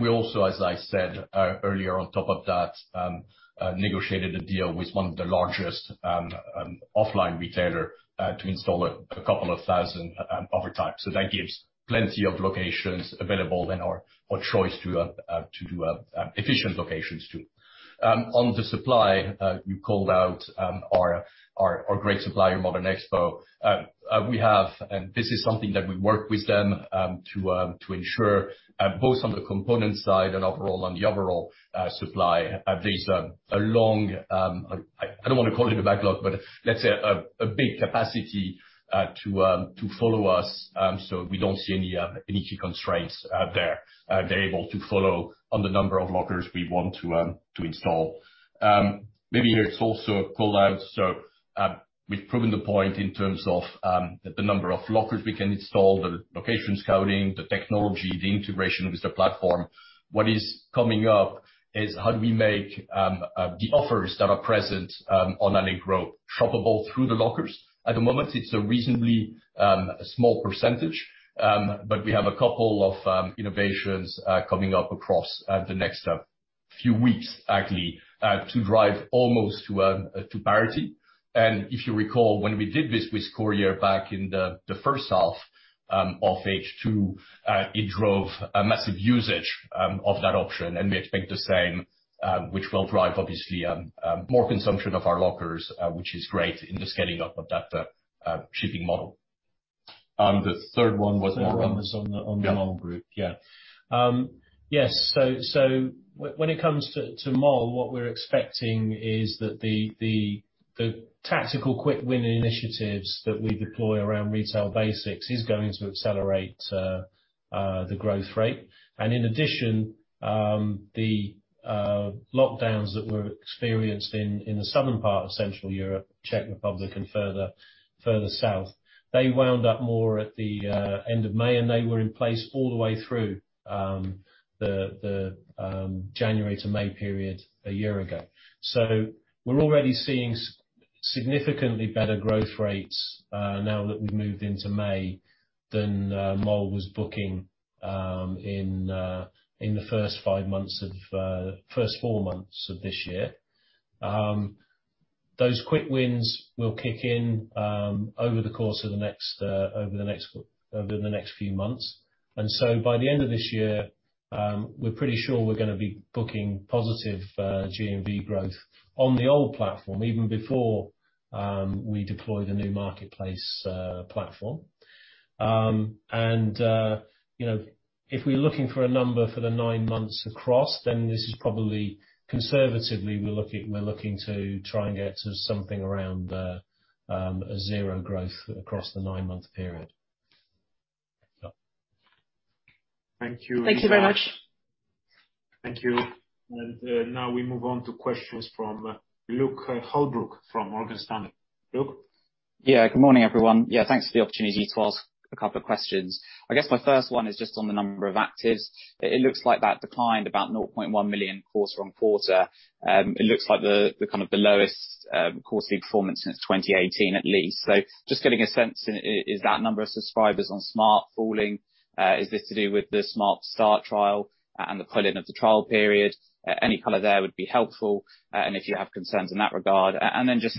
Speaker 1: We also, as I said, earlier on top of that, negotiated a deal with one of the largest offline retailer to install 2,000 over time. That gives plenty of locations available and/or choice to do efficient locations too. On the supply, you called out our great supplier, Modern Expo. We have, and this is something that we work with them to ensure both on the component side and overall supply. There's a long I don't wanna call it a backlog, but let's say a big capacity to follow us, so we don't see any key constraints out there. They're able to follow on the number of lockers we want to install. Maybe it's also call out. We've proven the point in terms of the number of lockers we can install, the location scouting, the technology, the integration with the platform. What is coming up is how do we make the offers that are present on Allegro shoppable through the lockers. At the moment, it's a reasonably small percentage, but we have a couple of innovations coming up across the next few weeks actually to drive almost to parity. If you recall, when we did this with courier back in the first half of H2, it drove a massive usage of that option, and we expect the same, which will drive obviously more consumption of our lockers, which is great in the scaling up of that shipping model. The third one was more on-
Speaker 3: Third one was on the Mall Group.
Speaker 1: Yeah.
Speaker 3: Yeah. Yes. When it comes to Mall, what we're expecting is that the tactical quick win initiatives that we deploy around retail basics is going to accelerate the growth rate. In addition, the lockdowns that were experienced in the southern part of Central Europe, Czech Republic and further south, they wound up more at the end of May, and they were in place all the way through January to May period a year ago. We're already seeing significantly better growth rates now that we've moved into May than Mall was booking in the first four months of this year. Those quick wins will kick in over the course of the next few months. By the end of this year, we're pretty sure we're gonna be booking positive GMV growth on the old platform, even before we deploy the new marketplace platform. You know, if we're looking for a number for the nine months across, then this is probably conservatively. We're looking to try and get to something around a zero growth across the nine-month period. Yeah.
Speaker 1: Thank you.
Speaker 5: Thank you very much.
Speaker 1: Thank you. Now we move on to questions from Luke Holbrook, from Morgan Stanley. Luke.
Speaker 6: Good morning, everyone. Thanks for the opportunity to ask a couple of questions. I guess my first one is just on the number of actives. It looks like that declined about 0.1 million quarter-over-quarter. It looks like the lowest quarterly performance since 2018 at least. Just getting a sense, is that number of subscribers on Smart falling? Is this to do with the Smart Start trial and the pull-in of the trial period? Any color there would be helpful, and if you have concerns in that regard. Just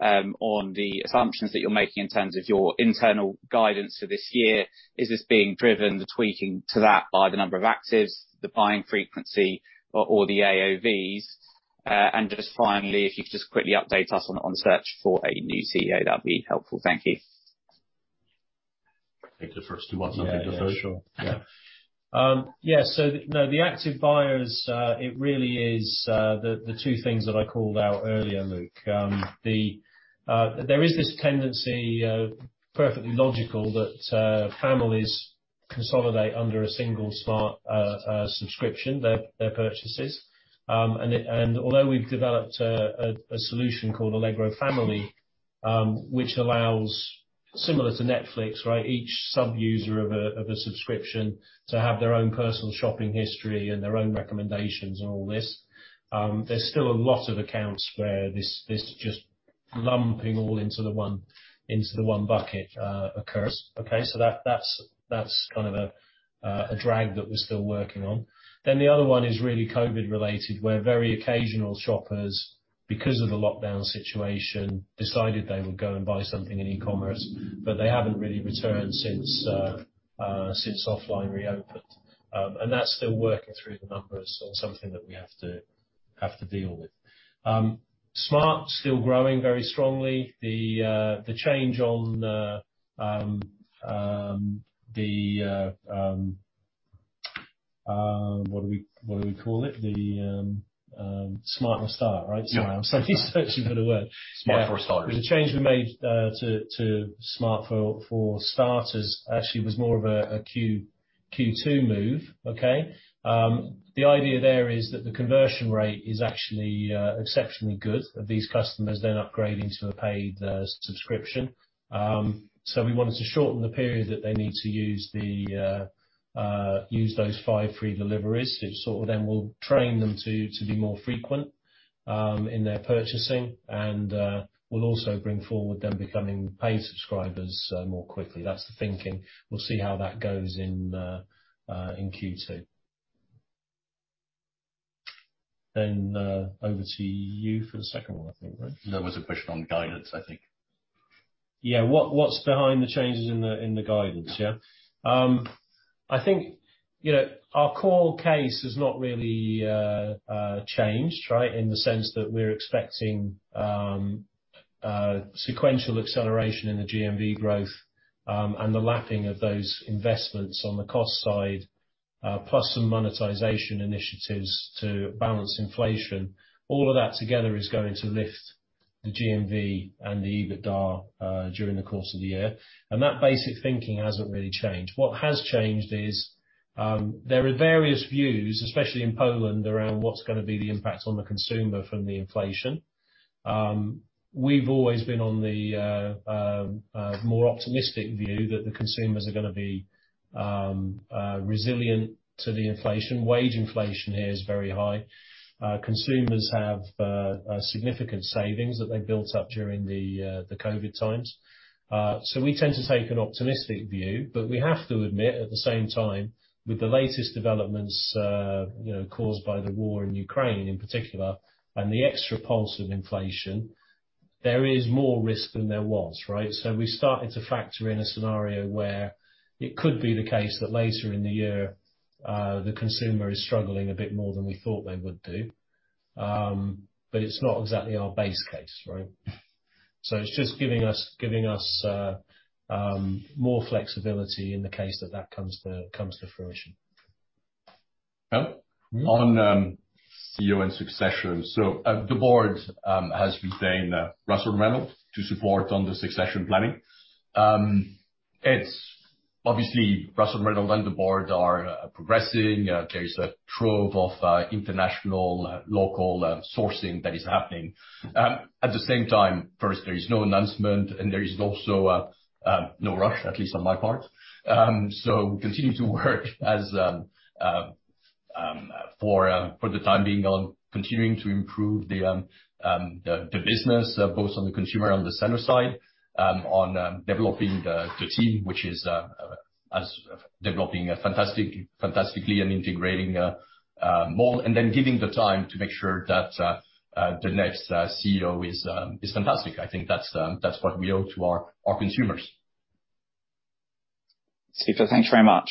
Speaker 6: secondly, on the assumptions that you are making in terms of your internal guidance for this year, is this being driven, the tweaking to that, by the number of actives, the buying frequency or the AOVs? Just finally, if you could just quickly update us on search for a new CEO, that'd be helpful. Thank you.
Speaker 1: I think the first two want something the first?
Speaker 3: Yeah, sure. Yeah. Yeah, so you know, the active buyers, it really is the two things that I called out earlier, Luke. There is this tendency, perfectly logical that families consolidate under a single Smart subscription, their purchases. Although we've developed a solution called Allegro Family, which allows similar to Netflix, right? Each sub-user of a subscription to have their own personal shopping history and their own recommendations and all this, there's still a lot of accounts where this just lumping all into the one bucket occurs. Okay. So that's kind of a drag that we're still working on. Then the other one is really COVID-related. We're very occasional shoppers because of the lockdown situation, decided they would go and buy something in e-commerce, but they haven't really returned since offline reopened. That's still working through the numbers on something that we have to deal with. Smart still growing very strongly. The change on the Smart! for Start, right?
Speaker 1: Yeah.
Speaker 3: Sorry, I'm searching for the word.
Speaker 1: Smart! for Start.
Speaker 3: The change we made to Smart! for Start actually was more of a Q2 move. Okay? The idea there is that the conversion rate is actually exceptionally good of these customers then upgrading to a paid subscription. We wanted to shorten the period that they need to use those five free deliveries. It sort of then will train them to be more frequent in their purchasing and will also bring forward them becoming paid subscribers more quickly. That's the thinking. We'll see how that goes in Q2. Over to you for the second one, I think, Luke.
Speaker 1: There was a question on guidance, I think.
Speaker 3: Yeah. What's behind the changes in the guidance, yeah? I think, you know, our core case has not really changed, right? In the sense that we're expecting sequential acceleration in the GMV growth, and the lapping of those investments on the cost side, plus some monetization initiatives to balance inflation. All of that together is going to lift the GMV and the EBITDA during the course of the year. That basic thinking hasn't really changed. What has changed is, there are various views, especially in Poland, around what's gonna be the impact on the consumer from the inflation. We've always been on the more optimistic view that the consumers are gonna be resilient to the inflation. Wage inflation here is very high. Consumers have significant savings that they built up during the COVID times. We tend to take an optimistic view, but we have to admit, at the same time, with the latest developments, you know, caused by the war in Ukraine in particular, and the extra pulse of inflation, there is more risk than there was, right? We're starting to factor in a scenario where it could be the case that later in the year, the consumer is struggling a bit more than we thought they would do. It's not exactly our base case, right? It's just giving us more flexibility in the case that that comes to fruition.
Speaker 1: Well, on CEO and succession. The board has retained Russell Reynolds to support on the succession planning. It's obviously Russell Reynolds and the board are progressing. There's a trove of international, local sourcing that is happening. At the same time, first, there is no announcement and there is also no rush, at least on my part. We continue to work for the time being on continuing to improve the business both on the consumer and the seller side, on developing the team, which is developing fantastically and integrating more, and then giving the time to make sure that the next CEO is fantastic. I think that's what we owe to our consumers.
Speaker 6: François, thanks very much.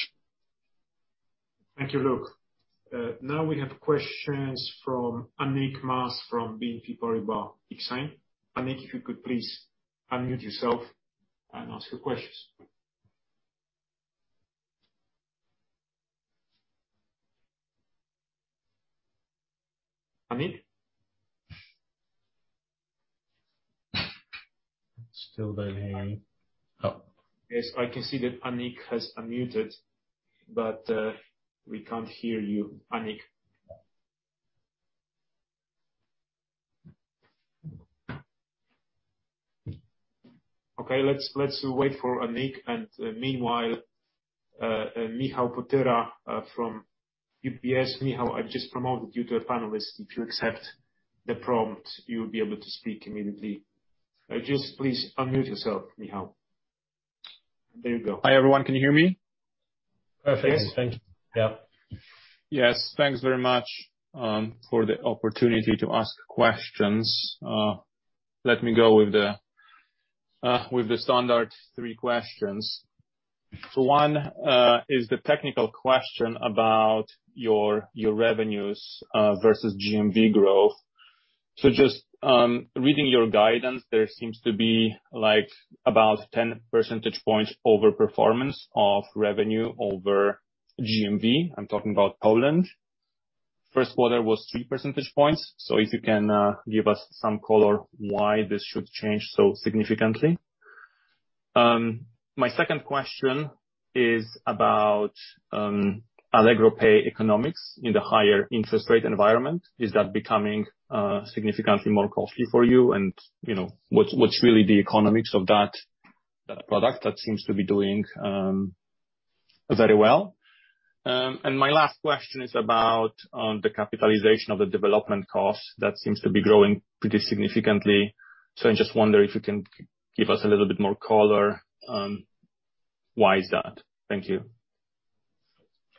Speaker 2: Thank you, Luke. Now we have questions from Anik Mas from BNP Paribas Exane. Anik, if you could please unmute yourself and ask your questions. Anik?
Speaker 1: Still waiting. Oh.
Speaker 2: Yes, I can see that Anik has unmuted, but we can't hear you, Anik. Okay, let's wait for Anik, and meanwhile, Michał Potera from UBS. Michał, I've just promoted you to a panelist. If you accept the prompt, you'll be able to speak immediately. Just please unmute yourself, Michał. There you go.
Speaker 7: Hi, everyone. Can you hear me?
Speaker 2: Perfect. Thank you.
Speaker 3: Yeah.
Speaker 7: Yes. Thanks very much for the opportunity to ask questions. Let me go with the standard three questions. One is the technical question about your revenues versus GMV growth. Just reading your guidance, there seems to be like about 10 percentage points over performance of revenue over GMV. I'm talking about Poland. First quarter was three percentage points. If you can give us some color why this should change so significantly. My second question is about Allegro Pay economics in the higher interest rate environment. Is that becoming significantly more costly for you? And, you know, what's really the economics of that product that seems to be doing very well? And my last question is about the capitalization of the development costs. That seems to be growing pretty significantly. I just wonder if you can give us a little bit more color why is that? Thank you.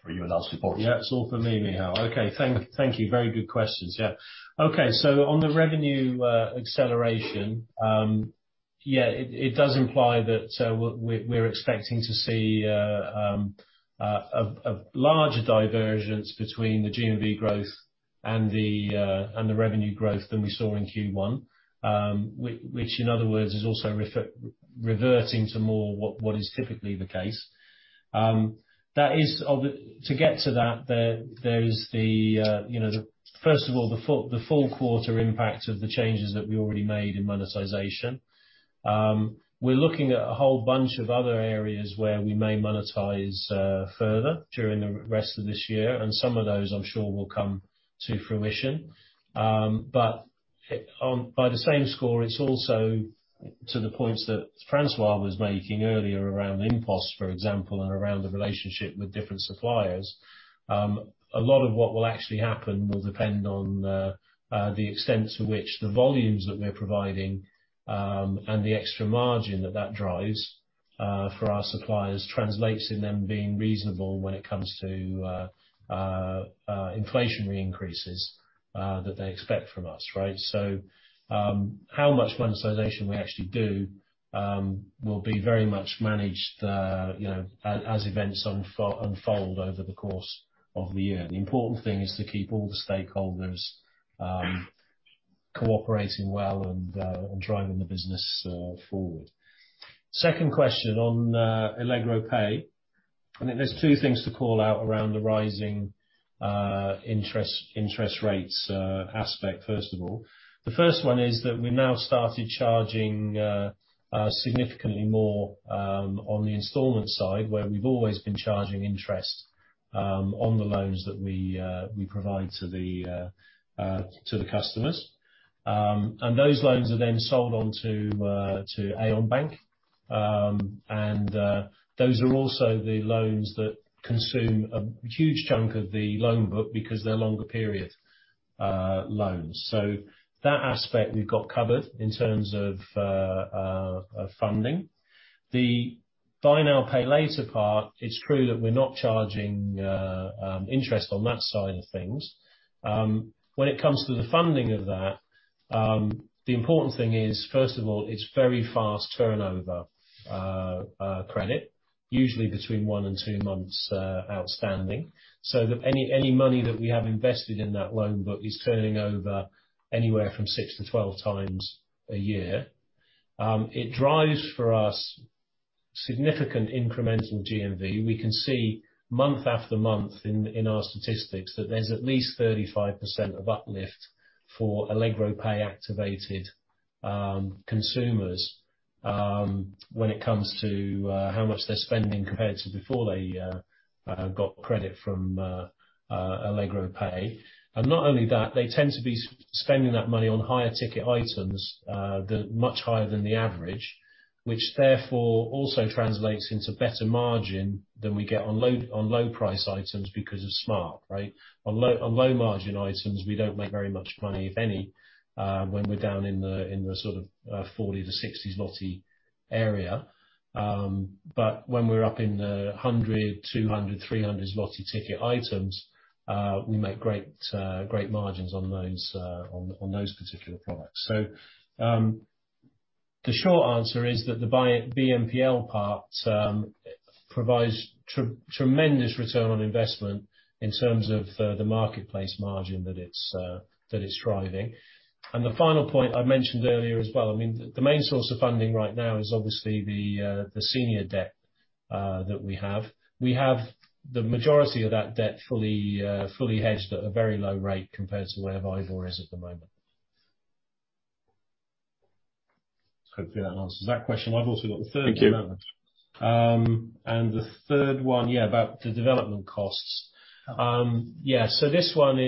Speaker 1: For you and asking for
Speaker 3: Yeah, it's all for me, Michał. Okay. Thank you. Very good questions. Yeah. Okay, so on the revenue acceleration, yeah, it does imply that we're expecting to see a larger divergence between the GMV growth and the revenue growth than we saw in Q1, which in other words, is also reverting to more what is typically the case. To get to that, there is, you know, first of all, the full quarter impact of the changes that we already made in monetization. We're looking at a whole bunch of other areas where we may monetize further during the rest of this year, and some of those, I'm sure, will come to fruition. By the same score, it's also to the points that François was making earlier around InPost, for example, and around the relationship with different suppliers. A lot of what will actually happen will depend on the extent to which the volumes that we're providing and the extra margin that that drives for our suppliers translates into them being reasonable when it comes to inflationary increases that they expect from us, right? How much monetization we actually do will be very much managed, you know, as events unfold over the course of the year. The important thing is to keep all the stakeholders cooperating well and driving the business forward. Second question on Allegro Pay. I think there's two things to call out around the rising interest rates aspect, first of all. The first one is that we now started charging significantly more on the installment side, where we've always been charging interest on the loans that we provide to the customers. Those loans are then sold on to Aion Bank. Those are also the loans that consume a huge chunk of the loan book because they're longer period loans. That aspect we've got covered in terms of funding. The buy now, pay later part, it's true that we're not charging interest on that side of things. When it comes to the funding of that, the important thing is, first of all, it's very fast turnover credit, usually between one and two months outstanding, so that any money that we have invested in that loan book is turning over anywhere from six to 12 times a year. It drives for us significant incremental GMV. We can see month after month in our statistics that there's at least 35% of uplift for Allegro Pay activated consumers when it comes to how much they're spending compared to before they got credit from Allegro Pay. Not only that, they tend to be spending that money on higher ticket items that are much higher than the average, which therefore also translates into better margin than we get on low price items because it's smart, right? On low margin items, we don't make very much money, if any, when we're down in the sort of 40-60 zloty area. But when we're up in the 100, 200, 300 zloty ticket items, we make great margins on those particular products. The short answer is that the BNPL part provides tremendous return on investment in terms of the marketplace margin that it's driving. The final point I mentioned earlier as well, I mean, the main source of funding right now is obviously the senior debt that we have. We have the majority of that debt fully hedged at a very low rate compared to where WIBOR is at the moment. Hopefully, that answers that question. I've also got the third development.
Speaker 7: Thank you.
Speaker 3: The third one, yeah, about the development costs. Yeah, this one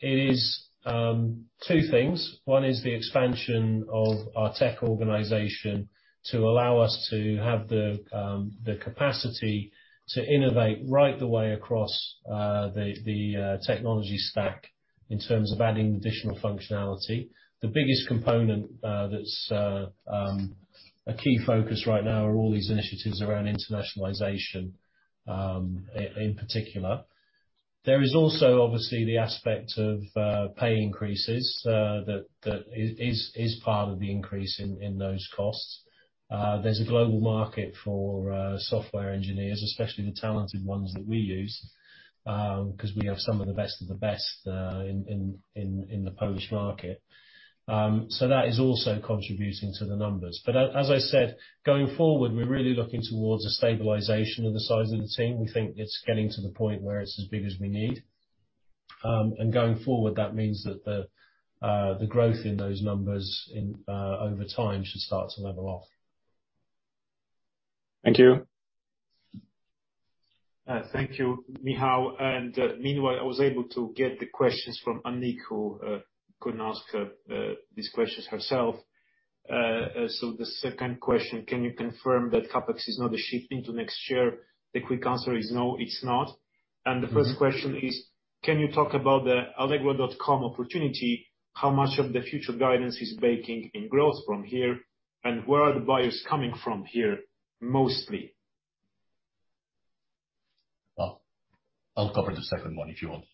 Speaker 3: is two things. One is the expansion of our tech organization to allow us to have the capacity to innovate right the way across the technology stack in terms of adding additional functionality. The biggest component that's a key focus right now are all these initiatives around internationalization, in particular. There is also obviously the aspect of pay increases that is part of the increase in those costs.
Speaker 1: There's a global market for software engineers, especially the talented ones that we use, 'cause we have some of the best of the best in the Polish market. That is also contributing to the numbers. As I said, going forward, we're really looking towards a stabilization of the size of the team. We think it's getting to the point where it's as big as we need. Going forward, that means that the growth in those numbers over time should start to level off.
Speaker 7: Thank you.
Speaker 2: Thank you, Michał. Meanwhile, I was able to get the questions from Anik, who couldn't ask these questions herself. The second question, can you confirm that CapEx is not shifting to next year? The quick answer is no, it's not.
Speaker 1: Mm-hmm.
Speaker 2: The first question is, can you talk about the allegro.com opportunity, how much of the future guidance is baking in growth from here, and where are the buyers coming from here mostly?
Speaker 1: Well, I'll cover the second one if you want.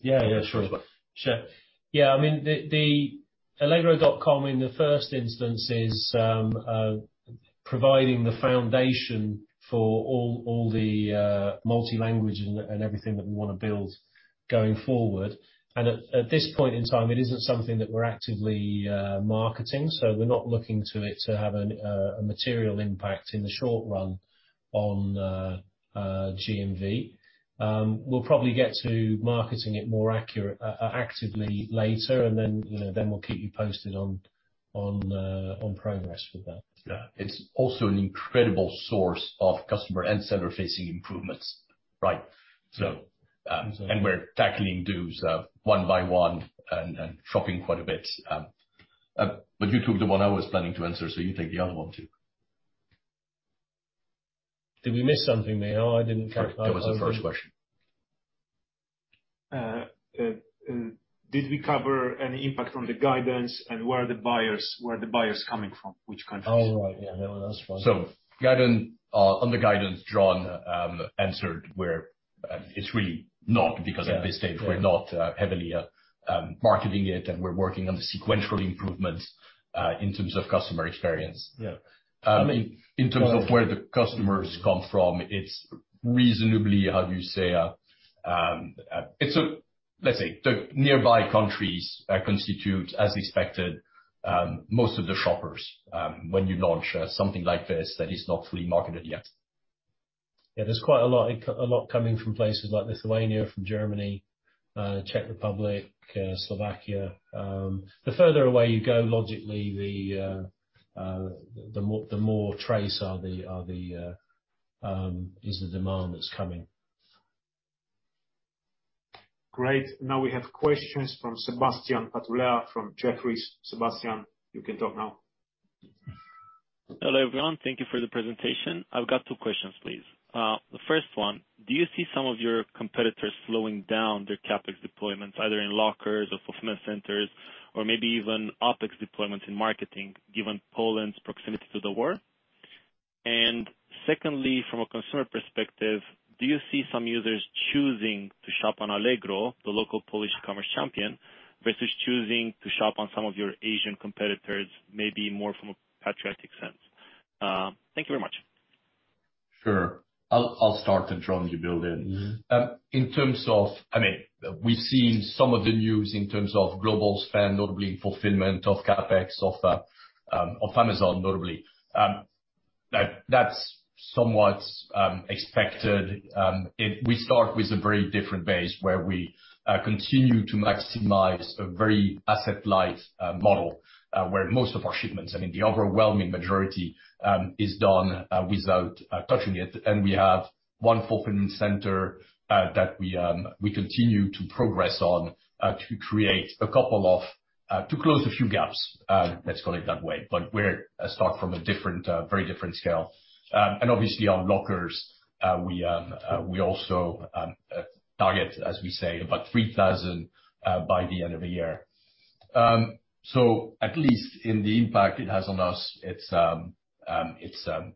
Speaker 2: Yeah, sure. I mean, the allegro.com in the first instance is providing the foundation for all the multi-language and everything that we wanna build going forward. At this point in time, it isn't something that we're actively marketing, so we're not looking to it to have a material impact in the short run on GMV. We'll probably get to marketing it more actively later, and then, you know, then we'll keep you posted on progress with that.
Speaker 1: Yeah. It's also an incredible source of customer and seller-facing improvements. Right.
Speaker 2: Mm-hmm.
Speaker 1: We're tackling those one by one and shopping quite a bit. But you took the one I was planning to answer, so you take the other one too.
Speaker 2: Did we miss something, Michał? I didn't track that one.
Speaker 1: No. That was the first question.
Speaker 2: Did we cover any impact from the guidance and where are the buyers coming from, which countries?
Speaker 1: Oh, right. Yeah, that one was.
Speaker 2: Guidance on the guidance, Jon, answered where it's really not.
Speaker 1: Yeah.
Speaker 2: Because at this stage we're not heavily marketing it, and we're working on the sequential improvements in terms of customer experience.
Speaker 1: Yeah.
Speaker 2: In terms of where the customers come from, let's say the nearby countries constitute, as expected, most of the shoppers when you launch something like this that is not fully marketed yet.
Speaker 1: Yeah, there's quite a lot coming from places like Lithuania, from Germany, Czech Republic, Slovakia. The further away you go, logically, the less is the demand that's coming.
Speaker 2: Great. Now we have questions from Sebastian Patulea from Jefferies. Sebastian, you can talk now.
Speaker 8: Hello, everyone. Thank you for the presentation. I've got two questions, please. The first one, do you see some of your competitors slowing down their CapEx deployments, either in lockers or fulfillment centers or maybe even OpEx deployments in marketing, given Poland's proximity to the war? Secondly, from a consumer perspective, do you see some users choosing to shop on Allegro, the local Polish commerce champion, versus choosing to shop on some of your Asian competitors, maybe more from a patriotic sense? Thank you very much.
Speaker 1: Sure. I'll start, and Jon, you build on.
Speaker 2: Mm-hmm.
Speaker 1: In terms of, I mean, we've seen some of the news in terms of global spend, notably in fulfillment of CapEx of Amazon, notably. That's somewhat expected. We start with a very different base where we continue to maximize a very asset-light model, where most of our shipments, I mean, the overwhelming majority, is done without touching it. We have one fulfillment center that we continue to progress on to close a few gaps, let's call it that way. We start from a very different scale. Obviously on lockers, we also target, as we say, about 3,000 by the end of the year. At least in the impact it has on us, it's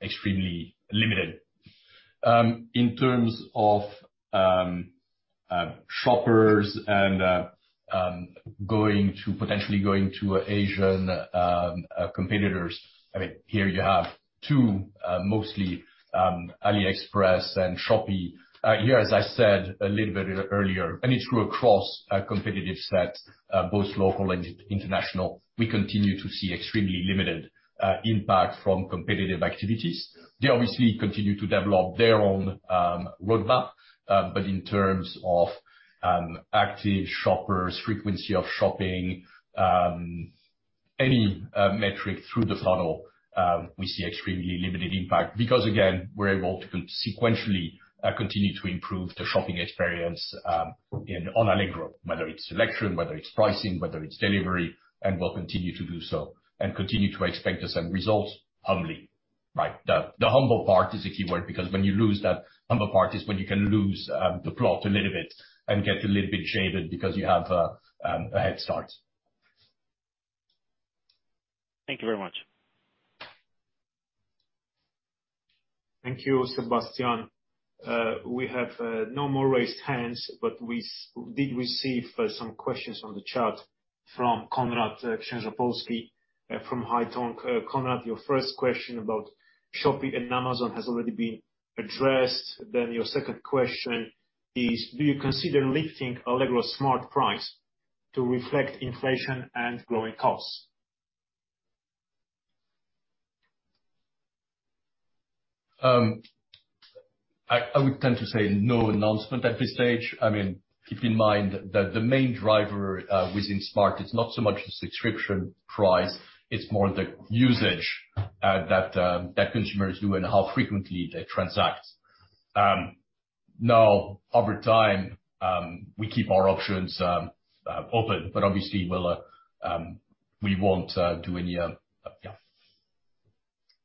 Speaker 1: extremely limited. In terms of shoppers and potentially going to Asian competitors, I mean, here you have two, mostly, AliExpress and Shopee. Here, as I said a little bit earlier, and it's true across a competitive set, both local and international, we continue to see extremely limited impact from competitive activities. They obviously continue to develop their own roadmap, but in terms of active shoppers, frequency of shopping, any metric through the funnel, we see extremely limited impact because, again, we're able to sequentially continue to improve the shopping experience on Allegro, whether it's selection, whether it's pricing, whether it's delivery, and we'll continue to do so and continue to expect the same results humbly, right? The humble part is the key word because when you lose that humble part is when you can lose the plot a little bit and get a little bit jaded because you have a head start.
Speaker 8: Thank you very much.
Speaker 2: Thank you, Sebastian. We have no more raised hands, but we did receive some questions on the chat from Konrad Szczęsny-Połski from Haitong. Konrad, your first question about Shopee and Amazon has already been addressed. Your second question is, do you consider lifting Allegro Smart! price to reflect inflation and growing costs?
Speaker 1: I would tend to say no announcement at this stage. I mean, keep in mind that the main driver within Smart is not so much the subscription price, it's more the usage that consumers do and how frequently they transact. Now, over time, we keep our options open, but obviously we won't do any.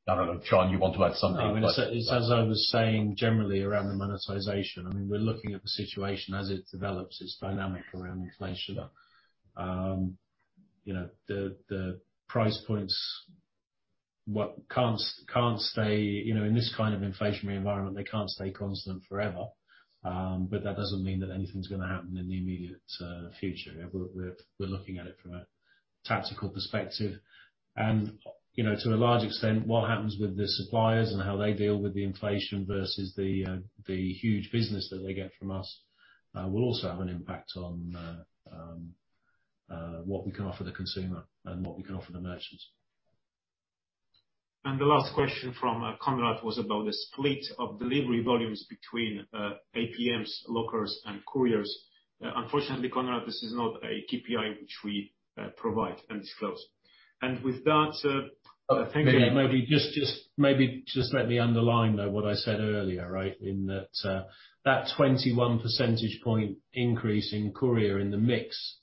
Speaker 1: I don't know, Jonathan, you want to add something but
Speaker 3: As I was saying, generally around the monetization, I mean, we're looking at the situation as it develops. It's dynamic around inflation. You know, the price points, what can't stay, you know, in this kind of inflationary environment, they can't stay constant forever. That doesn't mean that anything's gonna happen in the immediate future. You know, we're looking at it from a tactical perspective. You know, to a large extent, what happens with the suppliers and how they deal with the inflation versus the huge business that they get from us will also have an impact on what we can offer the consumer and what we can offer the merchants.
Speaker 2: The last question from Konrad was about the split of delivery volumes between APMs, lockers, and couriers. Unfortunately, Konrad, this is not a KPI which we provide and disclose. With that,
Speaker 3: Maybe just let me underline, though, what I said earlier, right? In that 21 percentage point increase in courier in the mix,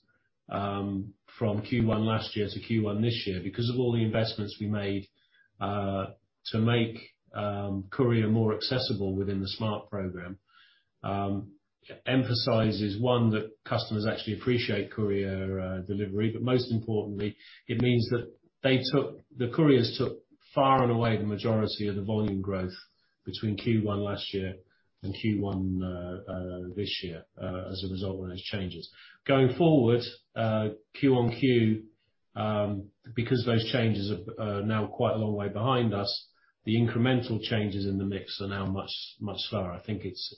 Speaker 3: from Q1 last year to Q1 this year, because of all the investments we made, to make courier more accessible within the Smart program, emphasizes, one, that customers actually appreciate courier delivery, but most importantly, it means that the couriers took far and away the majority of the volume growth between Q1 last year and Q1 this year, as a result of those changes. Going forward, Q on Q, because those changes are now quite a long way behind us, the incremental changes in the mix are now much smaller. I think it's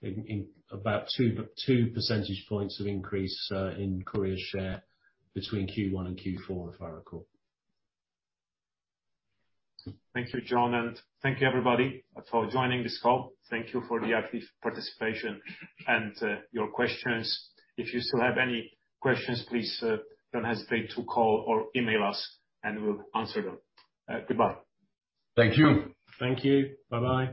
Speaker 3: in about two percentage points of increase in courier share between Q1 and Q4, if I recall.
Speaker 2: Thank you, Jon, and thank you, everybody, for joining this call. Thank you for the active participation and your questions. If you still have any questions, please don't hesitate to call or email us and we'll answer them. Goodbye.
Speaker 1: Thank you.
Speaker 3: Thank you. Bye-bye.